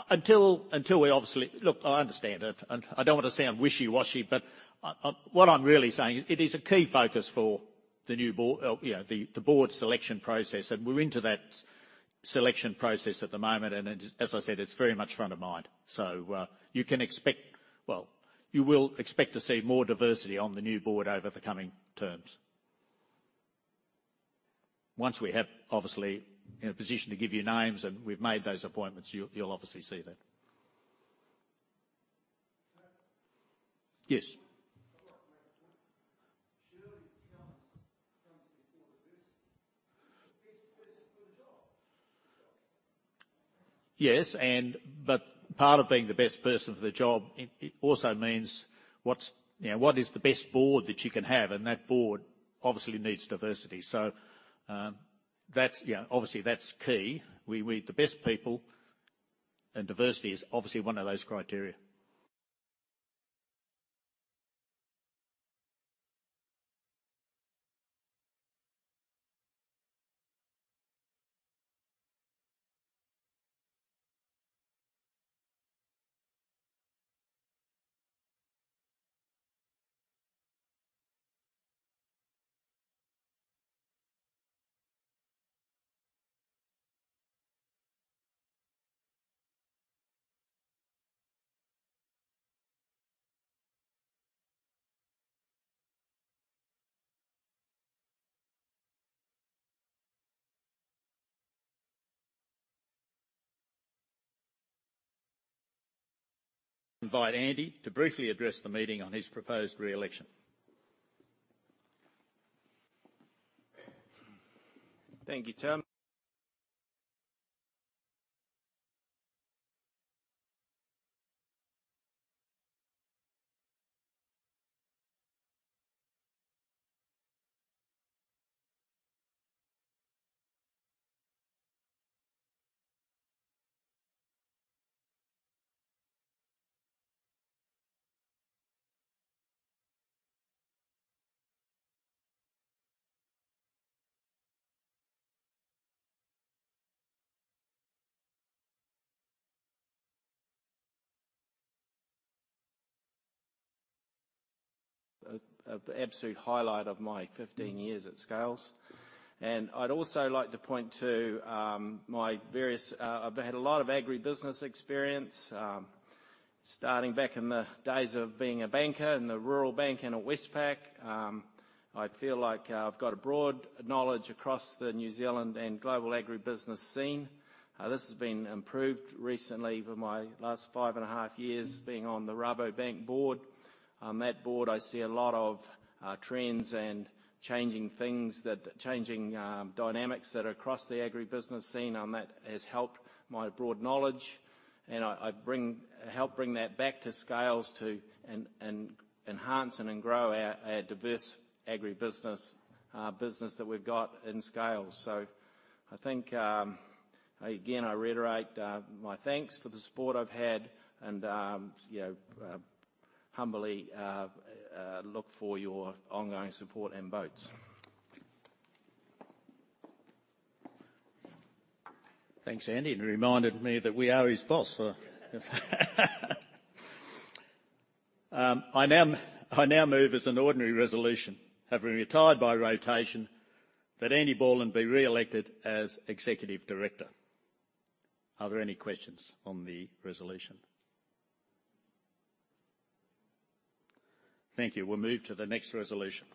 until we obviously. Look, I understand it and I don't want to sound wishy-washy, but, what I'm really saying is it is a key focus for the new board, you know, the board selection process. We're into that selection process at the moment. As I said, it's very much front of mind. You can expect, well, you will expect to see more diversity on the new board over the coming terms. Once we have obviously in a position to give you names and we've made those appointments, you'll obviously see that.
Um-
Yes.
I'd like to make a point. Surely skill comes before diversity. The best person for the job.
Yes. Part of being the best person for the job, it also means what's, you know, what is the best board that you can have? That board obviously needs diversity. That's, you know, obviously that's key. The best people and diversity is obviously one of those criteria. Invite Andy to briefly address the meeting on his proposed re-election.
Thank you, Tim. An absolute highlight of my 15 years at Scales. I'd also like to point to my various. I've had a lot of agribusiness experience, starting back in the days of being a banker in the rural bank and at Westpac. I feel like I've got a broad knowledge across the New Zealand and global agribusiness scene. This has been improved recently with my last 5.5 years being on the Rabobank board. On that board, I see a lot of trends and changing dynamics that are across the agribusiness scene, and that has helped my broad knowledge and I help bring that back to Scales to enhance and grow our diverse agribusiness business that we've got in Scales. I think, again, I reiterate my thanks for the support I've had and, you know, humbly look for your ongoing support and votes.
Thanks, Andy. It reminded me that we are his boss, so. I now move as an ordinary resolution, having retired by rotation, that Andy Borland be re-elected as Executive Director. Are there any questions on the resolution? Thank you. We'll move to the next resolution.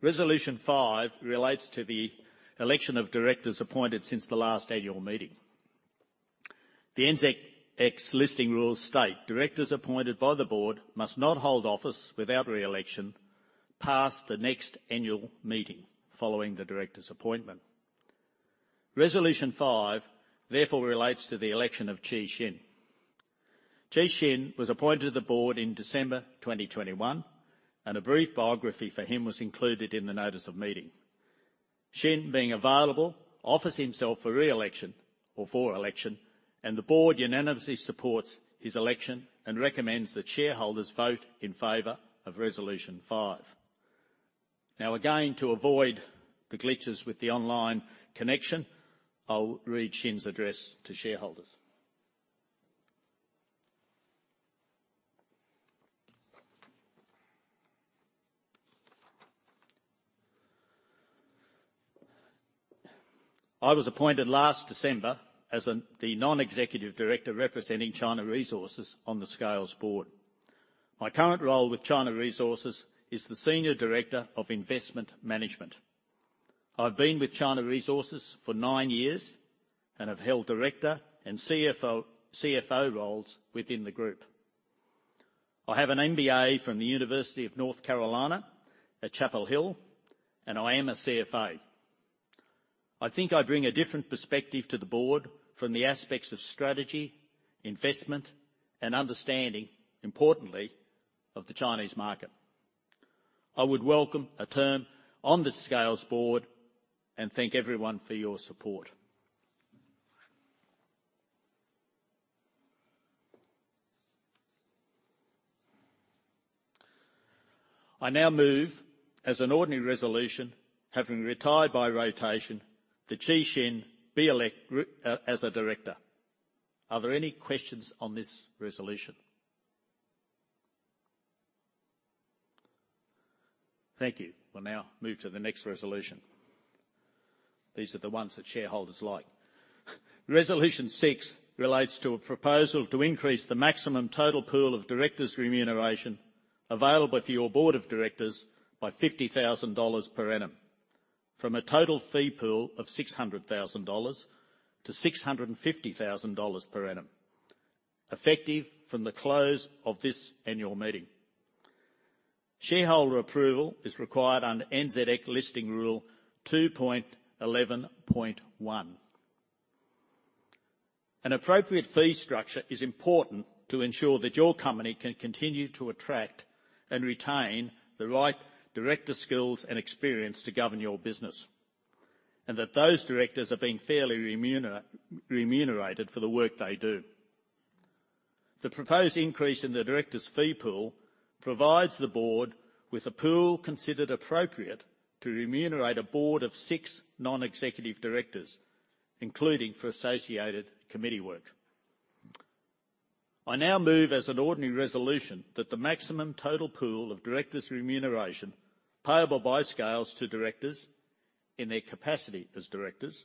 Resolution five relates to the election of directors appointed since the last annual meeting. The NZX Listing Rules state, "Directors appointed by the board must not hold office without re-election past the next annual meeting following the director's appointment." Resolution five therefore relates to the election of Qi Xin. Qi Xin was appointed to the board in December 2021, and a brief biography for him was included in the notice of meeting. Xin, being available, offers himself for re-election or for election, and the board unanimously supports his election and recommends that shareholders vote in favor of Resolution five. Now, again, to avoid the glitches with the online connection, I'll read Xin's address to shareholders. I was appointed last December as the Non-Executive Director representing China Resources on the Scales board. My current role with China Resources is the Senior Director of Investment Management. I've been with China Resources for nine years and have held director and CFO roles within the group. I have an MBA from the University of North Carolina at Chapel Hill, and I am a CFA. I think I bring a different perspective to the board from the aspects of strategy, investment, and understanding, importantly, of the Chinese market. I would welcome a term on the Scales board, and thank everyone for your support. I now move as an ordinary resolution, having retired by rotation, that Qi Xin be elected as a director. Are there any questions on this resolution? Thank you. We'll now move to the next resolution. These are the ones that shareholders like. Resolution six relates to a proposal to increase the maximum total pool of directors' remuneration available for your board of directors by NZD 50 thousand per annum from a total fee pool of NZD 600 thousand to NZD 650 thousand per annum, effective from the close of this annual meeting. Shareholder approval is required under NZX Listing Rule 2.11.1. An appropriate fee structure is important to ensure that your company can continue to attract and retain the right director skills and experience to govern your business, and that those directors are being fairly remunerated for the work they do. The proposed increase in the directors' fee pool provides the board with a pool considered appropriate to remunerate a board of six non-executive directors, including for associated committee work. I now move as an ordinary resolution that the maximum total pool of directors' remuneration payable by Scales to directors in their capacity as directors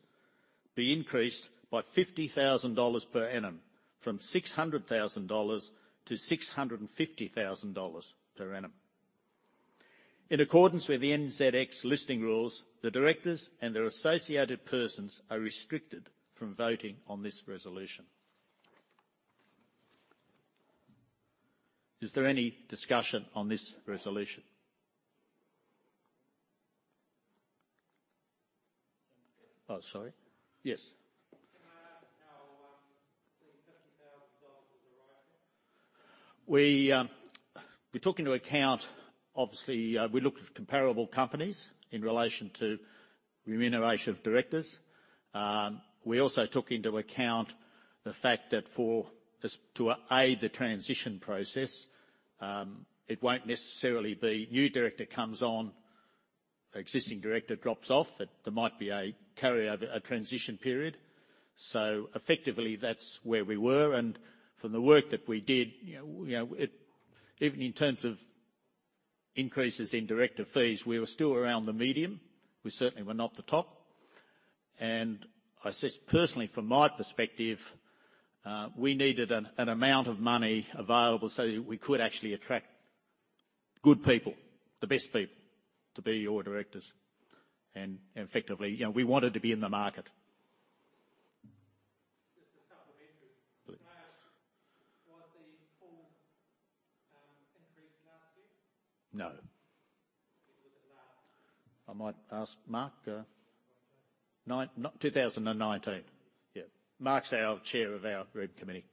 be increased by 50,000 dollars per annum from 600,000 dollars to 650,000 dollars per annum. In accordance with the NZX Listing Rules, the directors and their associated persons are restricted from voting on this resolution. Is there any discussion on this resolution? Oh, sorry. Yes.
Can I ask how the NZD 50,000 was arrived at?
We took into account, obviously, we looked at comparable companies in relation to remuneration of directors. We also took into account the fact that for this to aid the transition process, it won't necessarily be new director comes on, existing director drops off. That there might be a carryover, a transition period. Effectively, that's where we were. From the work that we did, you know, even in terms of increases in director fees, we were still around the median. We certainly were not the top. I assess personally from my perspective, we needed an amount of money available so that we could actually attract good people, the best people, to be your directors. Effectively, you know, we wanted to be in the market.
Just a supplementary.
Please.
Can I ask, was the pool increased last year?
No.
It was at last.
I might ask Mark.
2019.
2019. Yeah. Mark's our chair of our Rem committee.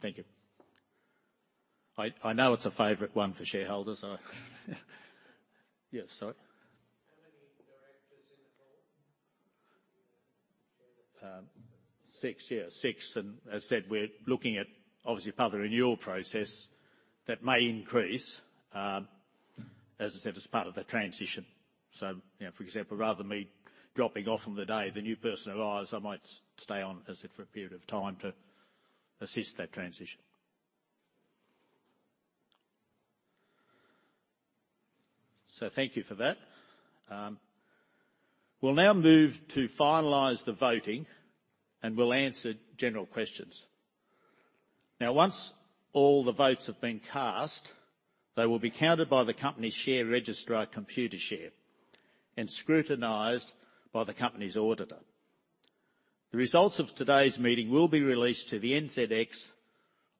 Thank you.
I know it's a favorite one for shareholders, so. Yes, sorry. Six. As I said, we're looking at obviously a further renewal process that may increase, as I said, as part of the transition. You know, for example, rather me dropping off on the day the new person arrives, I might stay on, as in for a period of time to assist that transition. Thank you for that. We'll now move to finalize the voting, and we'll answer general questions. Once all the votes have been cast, they will be counted by the company share registrar Computershare and scrutinized by the company's auditor. The results of today's meeting will be released to the NZX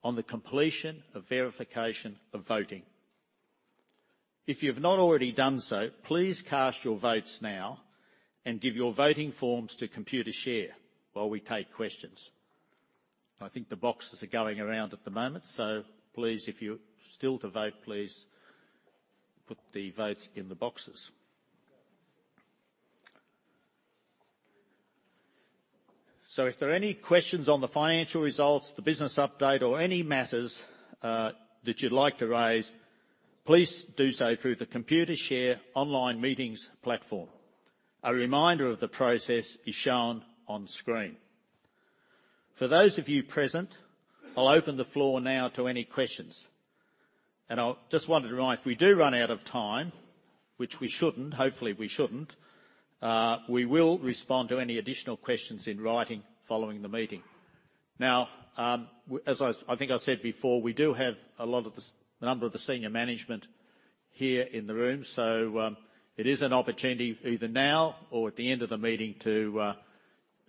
on the completion of verification of voting. If you've not already done so, please cast your votes now and give your voting forms to Computershare while we take questions. I think the boxes are going around at the moment, so please, if you're still to vote, please put the votes in the boxes.
If there are any questions on the financial results, the business update or any matters that you'd like to raise, please do so through the Computershare online meetings platform. A reminder of the process is shown on screen. For those of you present, I'll open the floor now to any questions. I just wanted to remind if we do run out of time, which we shouldn't, hopefully we shouldn't, we will respond to any additional questions in writing following the meeting. Now, I think I said before, we do have a lot of number of the senior management here in the room. It is an opportunity either now or at the end of the meeting to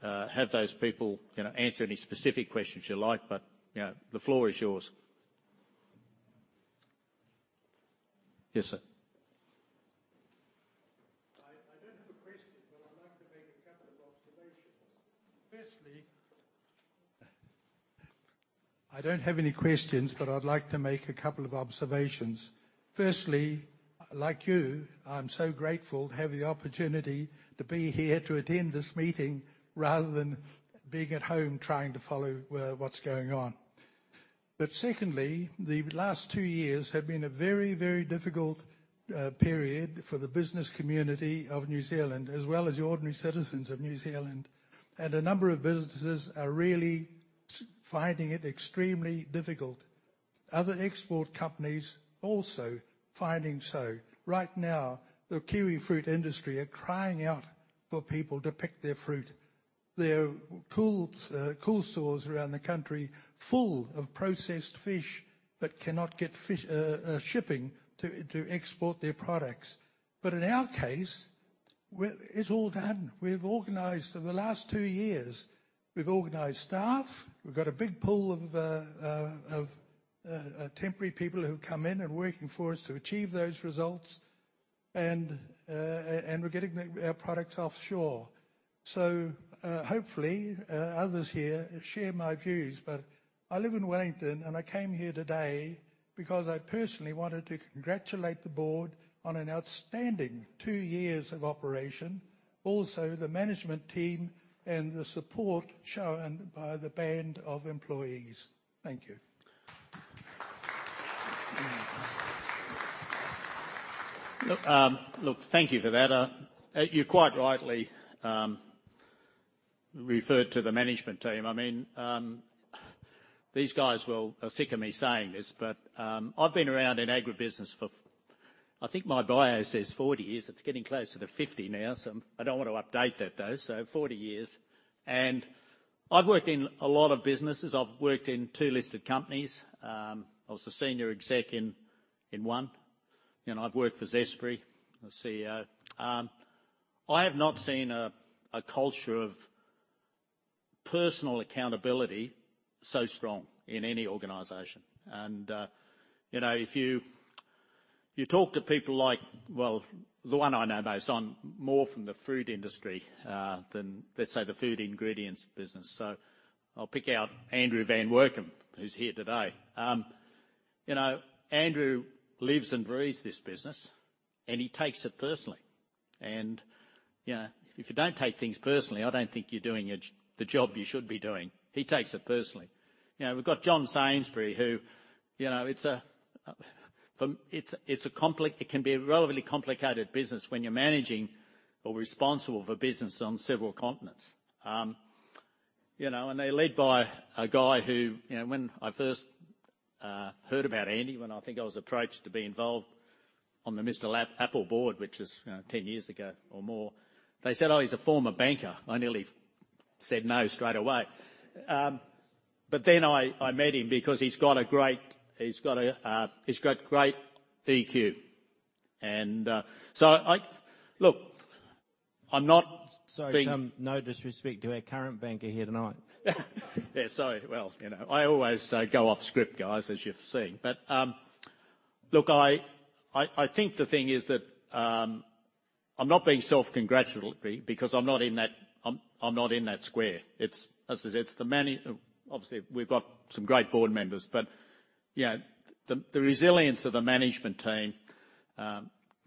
have those people, you know, answer any specific questions you like. You know, the floor is yours. Yes, sir.
I don't have any questions, but I'd like to make a couple of observations. Firstly, like you, I'm so grateful to have the opportunity to be here to attend this meeting rather than being at home trying to follow what's going on. Secondly, the last two years have been a very, very difficult period for the business community of New Zealand, as well as the ordinary citizens of New Zealand. A number of businesses are really finding it extremely difficult. Other export companies also finding so. Right now, the kiwifruit industry are crying out for people to pick their fruit. Their cool stores around the country full of processed fish but cannot get fish shipping to export their products. In our case, we're... It's all done. We've organized for the last two years. We've organized staff. We've got a big pool of temporary people who've come in and working for us to achieve those results. We're getting our products offshore. Hopefully, others here share my views. I live in Wellington, and I came here today because I personally wanted to congratulate the board on an outstanding two years of operation. Also, the management team and the support shown by the band of employees. Thank you.
Look, thank you for that. You quite rightly referred to the management team. I mean, these guys are sick of me saying this. I've been around in agribusiness for 40 years. I think my bio says 40 years. It's getting closer to 50 now, so I don't wanna update that, though. 40 years. I've worked in a lot of businesses. I've worked in two listed companies. I was a senior exec in one. You know, I've worked for Zespri, the CEO. I have not seen a culture of personal accountability so strong in any organization. You know, if you talk to people like. Well, the one I know most, more from the food industry than, let's say, the food ingredients business. I'll pick out Andrew van Workum, who's here today. You know, Andrew lives and breathes this business, and he takes it personally. You know, if you don't take things personally, I don't think you're doing the job you should be doing. He takes it personally. You know, we've got John Sainsbury who, you know, it can be a relatively complicated business when you're managing or responsible for business on several continents. You know, they're led by a guy who, you know, when I first heard about Andy, when I think I was approached to be involved on the Mr. Apple board, which was, you know, 10 years ago or more. They said, "Oh, he's a former banker." I nearly said no straight away. I met him because he's got great EQ. Look, I'm not-
Sorry, no disrespect to our current banker here tonight.
I always go off script, guys, as you've seen. Look, I think the thing is that I'm not being self-congratulatory because I'm not in that square. As I said, it's the management. Obviously, we've got some great board members. You know, the resilience of the management team.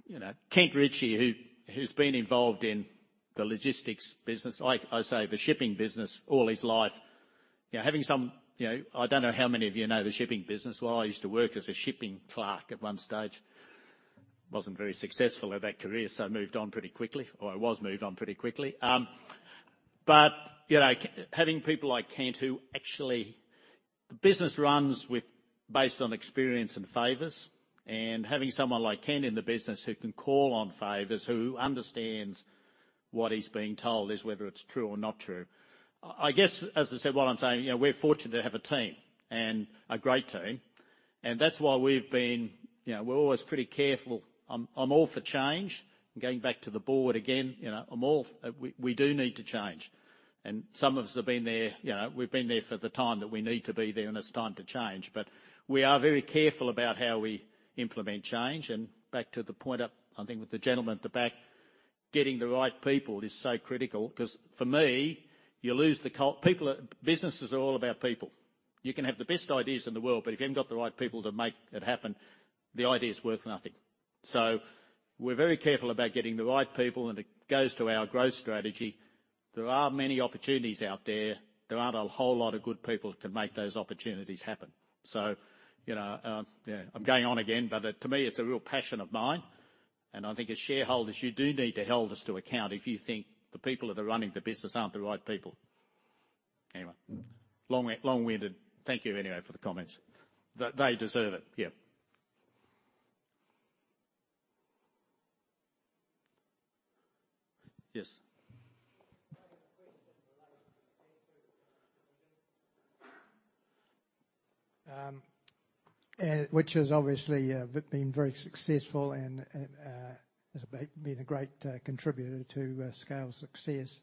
You know, Kent Ritchie, who's been involved in the logistics business, like I say, the shipping business all his life. You know, having some. You know, I don't know how many of you know the shipping business. Well, I used to work as a shipping clerk at one stage. Wasn't very successful at that career, so I moved on pretty quickly, or I was moved on pretty quickly. You know, having people like Kent who actually... The business runs based on experience and favors. Having someone like Kent in the business who can call on favors, who understands whether what he's being told is true or not true. I guess, as I said, what I'm saying, you know, we're fortunate to have a team and a great team. That's why. You know, we're always pretty careful. I'm all for change. Going back to the board again, you know, we do need to change. Some of us have been there, you know, we've been there for the time that we need to be there, and it's time to change. We are very careful about how we implement change. Back to the point of, I think, with the gentleman at the back, getting the right people is so critical. Because, for me, people are. Businesses are all about people. You can have the best ideas in the world, but if you ain't got the right people to make it happen, the idea is worth nothing. We're very careful about getting the right people, and it goes to our growth strategy. There are many opportunities out there. There aren't a whole lot of good people who can make those opportunities happen. You know, I'm going on again, but to me, it's a real passion of mine. I think as shareholders, you do need to hold us to account if you think the people that are running the business aren't the right people. Anyway, long-winded. Thank you anyway for the comments. They deserve it. Yeah. Yes.
I have a question relating to pet food, which has obviously been very successful and has been a great contributor to Scales' success.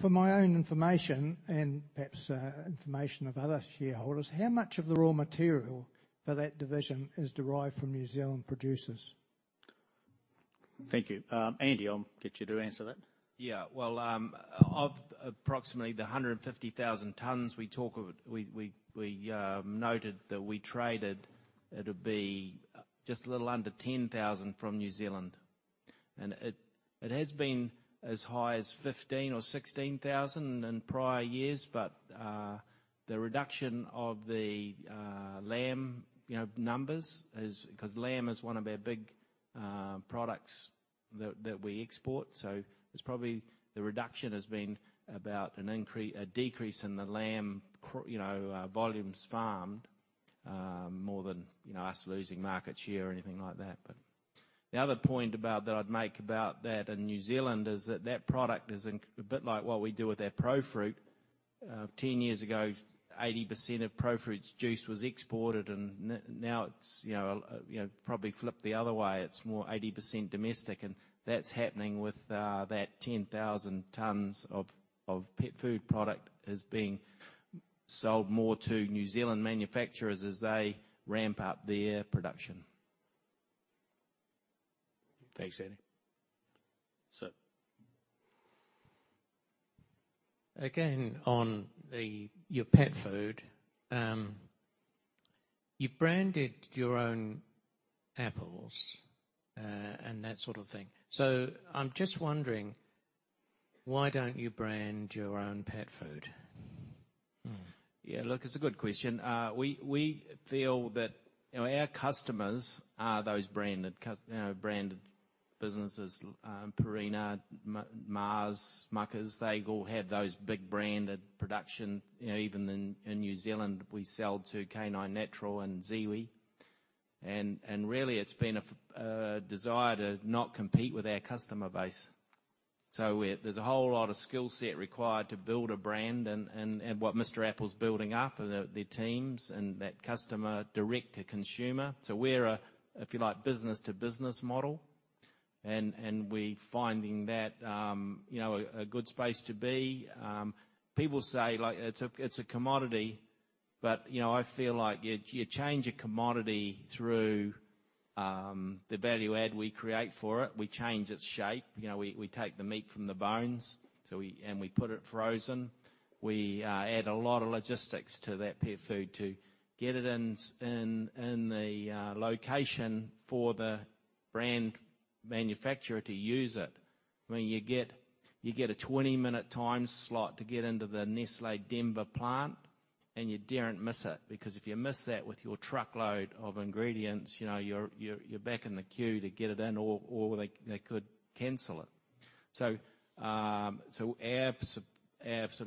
For my own information and perhaps information of other shareholders, how much of the raw material for that division is derived from New Zealand producers?
Thank you. Andy, I'll get you to answer that.
Of approximately 150,000 tons we talk of. We noted that we traded, it'll be just a little under 10,000 from New Zealand. It has been as high as 15,000 or 16,000 in prior years. The reduction of the lamb, you know, numbers is 'cause lamb is one of our big products that we export. It's probably the reduction has been about a decrease in the lamb volumes farmed, more than, you know, us losing market share or anything like that. The other point about that I'd make about that in New Zealand is that that product is a bit like what we do with our Profruit. 10 years ago, 80% of Profruit's juice was exported, and now it's, you know, probably flipped the other way. It's more 80% domestic, and that's happening with that 10,000 tons of pet food product is being sold more to New Zealand manufacturers as they ramp up their production.
Thanks, Andy. Sir.
Again, on the, your pet food, you've branded your own apples, and that sort of thing. I'm just wondering, why don't you brand your own pet food?
Yeah. Look, it's a good question. We feel that, you know, our customers are those branded businesses, Purina, Mars, Smucker's. They all have those big branded products. You know, even in New Zealand, we sell to K9 Natural and Ziwi. Really it's been a desire to not compete with our customer base. There's a whole lot of skill set required to build a brand and what Mr. Apple's building up their teams and that customer direct to consumer. We're a, if you like, business to business model, and we're finding that, you know, a good space to be. People say, like it's a commodity. You know, I feel like you change a commodity through the value add we create for it. We change its shape. You know, we take the meat from the bones. We put it frozen. We add a lot of logistics to that pet food to get it in the location for the brand manufacturer to use it. I mean, you get a 20-minute time slot to get into the Nestlé Denver plant, and you daren't miss it. Because if you miss that with your truckload of ingredients, you know, you're back in the queue to get it in or they could cancel it. Our sort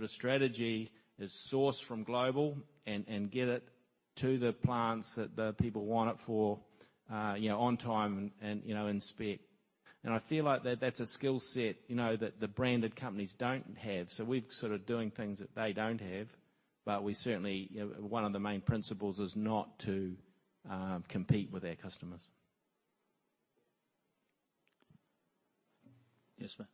of strategy is source from global and get it to the plants that the people want it for, you know, on time and you know, in spec. I feel like that's a skill set, you know, that the branded companies don't have. We're sort of doing things that they don't have. We certainly, you know, one of the main principles is not to compete with our customers. Yes, ma'am.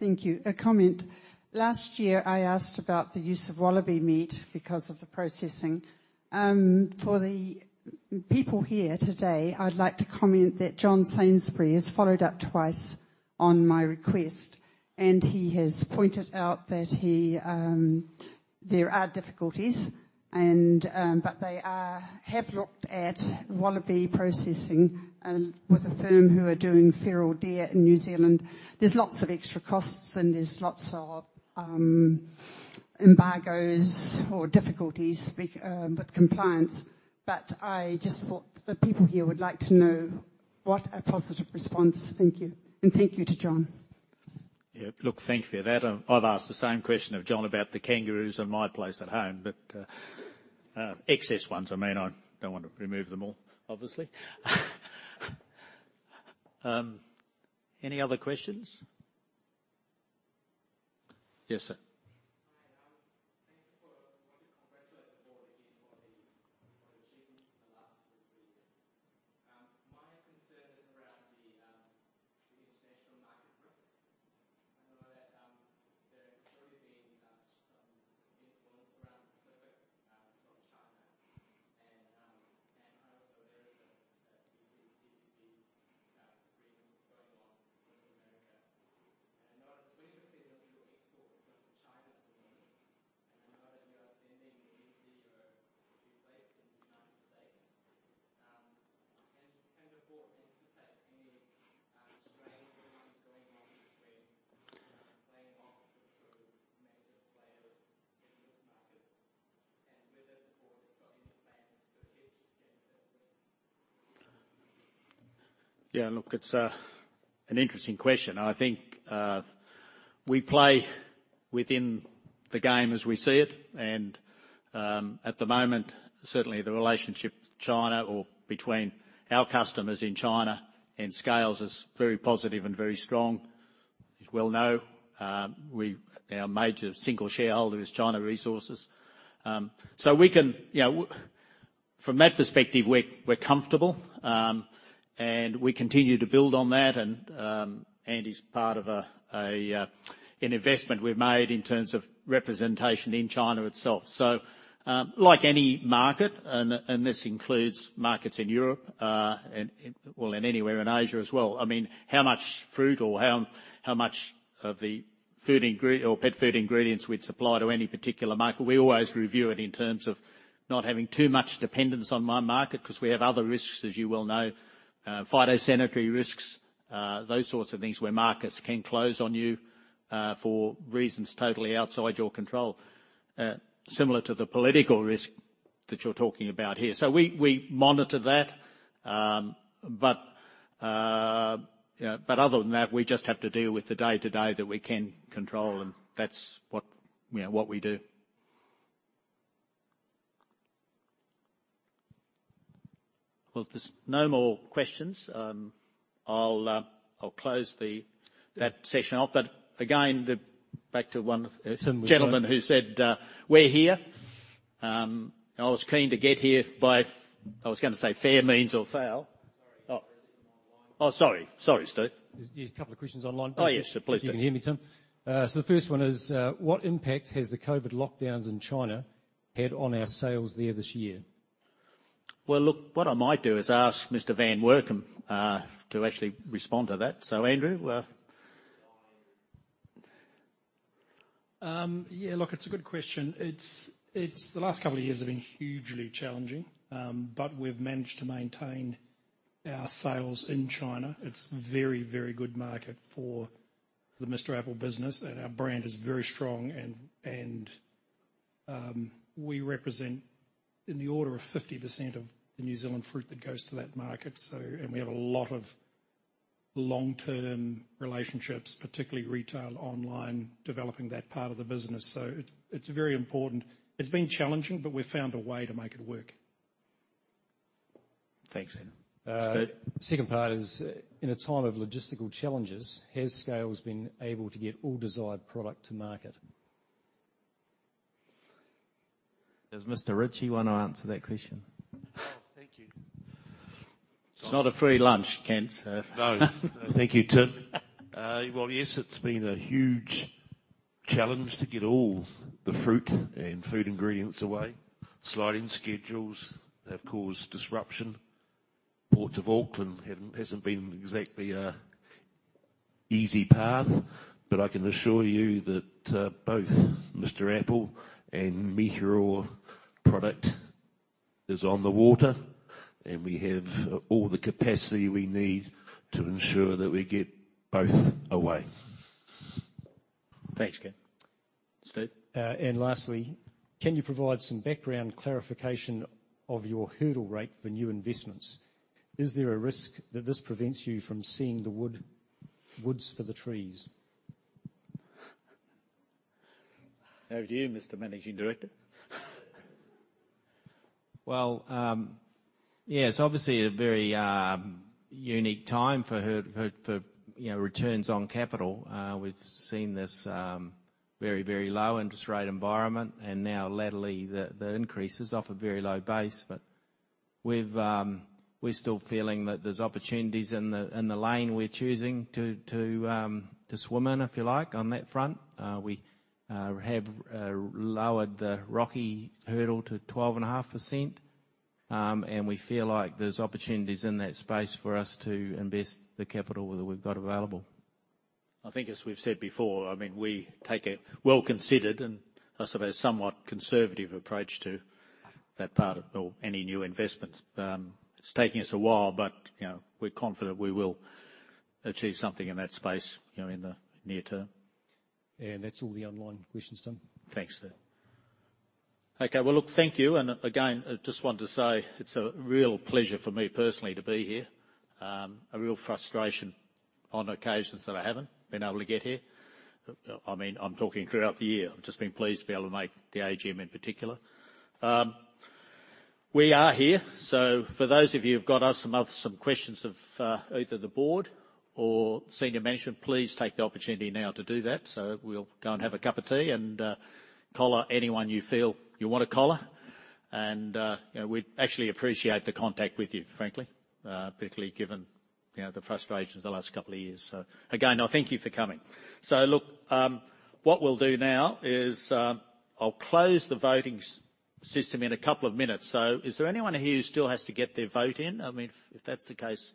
Thank you. A comment. Last year, I asked about the use of wallaby meat because of the processing. For the people here today, I'd like to comment that John Sainsbury has followed up twice- On my request, he has pointed out that he there are difficulties and but they have looked at wallaby processing, and with a firm who are doing feral deer in New Zealand. There's lots of extra costs, and there's lots of embargoes or difficulties with compliance. I just thought the people here would like to know what a positive response. Thank you. Thank you to John.
Yeah. Look, thank you for that. I've asked the same question of John about the kangaroos in my place at home. Excess ones, I mean, I don't want to remove them all, obviously. Any other questions? Yes, sir. and we continue to build on that. Andy's part of an investment we've made in terms of representation in China itself. Like any market, and this includes markets in Europe and well, anywhere in Asia as well. I mean, how much fruit or how much of the food ingredients or pet food ingredients we'd supply to any particular market. We always review it in terms of not having too much dependence on one market, 'cause we have other risks, as you well know. Phytosanitary risks, those sorts of things, where markets can close on you, for reasons totally outside your control. Similar to the political risk that you're talking about here. We monitor that. But other than that, we just have to deal with the day-to-day that we can control, and that's what, you know, what we do. Well, if there's no more questions, I'll close that session off. Again, the back to one-
Tim, we've got-
The gentleman who said, "We're here." I was keen to get here by. I was gonna say fair means or foul.
Sorry. There is some online.
Oh, sorry. Sorry, Steve.
There's a couple of questions online.
Oh, yes, please do.
If you can hear me, Tim. The first one is, "What impact has the COVID-19 lockdowns in China had on our sales there this year?
Well, look, what I might do is ask Mr. van Workum to actually respond to that. Andrew,
Yeah, look, it's a good question. It's the last couple of years have been hugely challenging. But we've managed to maintain our sales in China. It's very, very good market for the Mr Apple business, and our brand is very strong and we represent in the order of 50% of the New Zealand fruit that goes to that market. We have a lot of long-term relationships, particularly retail, online, developing that part of the business. It's very important. It's been challenging, but we've found a way to make it work.
Thanks, Andrew. Steve.
Second part is, "In a time of logistical challenges, has Scales been able to get all desired product to market? Does Mr. Ritchie wanna answer that question?
Oh, thank you.
It's not a free lunch, Kent, so
No. No, thank you, Tim. Well, yes, it's been a huge challenge to get all the fruit and Food Ingredients away. Sliding schedules have caused disruption. Port of Auckland hasn't been exactly an easy path. I can assure you that both Mr Apple and Meateor product is on the water, and we have all the capacity we need to ensure that we get both away.
Thanks, Kent. Steve.
Lastly, "Can you provide some background clarification of your hurdle rate for new investments? Is there a risk that this prevents you from seeing the wood for the trees?
Over to you, Mr. Managing Director.
Well, yeah, it's obviously a very unique time for, you know, returns on capital. We've seen this very, very low interest rate environment and now latterly the increases off a very low base. We're still feeling that there's opportunities in the lane we're choosing to swim in, if you like, on that front. We have lowered the ROIC hurdle to 12.5%. We feel like there's opportunities in that space for us to invest the capital that we've got available.
I think as we've said before, I mean, we take a well-considered, and I suppose somewhat conservative approach to or any new investments. It's taking us a while, but, you know, we're confident we will achieve something in that space, you know, in the near term.
That's all the online questions, Tim.
Thanks, Steve. Okay. Well, look, thank you. Again, I just wanted to say it's a real pleasure for me personally to be here. A real frustration on occasions that I haven't been able to get here. I mean, I'm talking throughout the year. I've just been pleased to be able to make the AGM in particular. We are here, so for those of you who've got some questions for either the board or senior management, please take the opportunity now to do that. We'll go and have a cup of tea and collar anyone you feel you wanna collar. You know, we'd actually appreciate the contact with you, frankly. Particularly given the frustrations the last couple of years. Again, I thank you for coming. Look, what we'll do now is, I'll close the voting system in a couple of minutes. Is there anyone here who still has to get their vote in? I mean, if that's the case,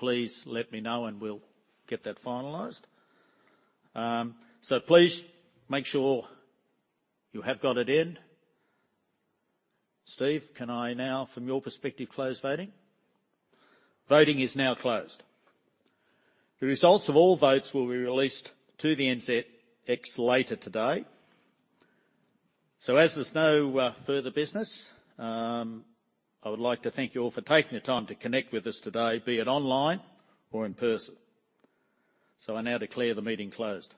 please let me know and we'll get that finalized. Please make sure you have got it in. Steve, can I now from your perspective, close voting? Voting is now closed. The results of all votes will be released to the NZX later today. As there's no further business, I would like to thank you all for taking the time to connect with us today, be it online or in person. I now declare the meeting closed.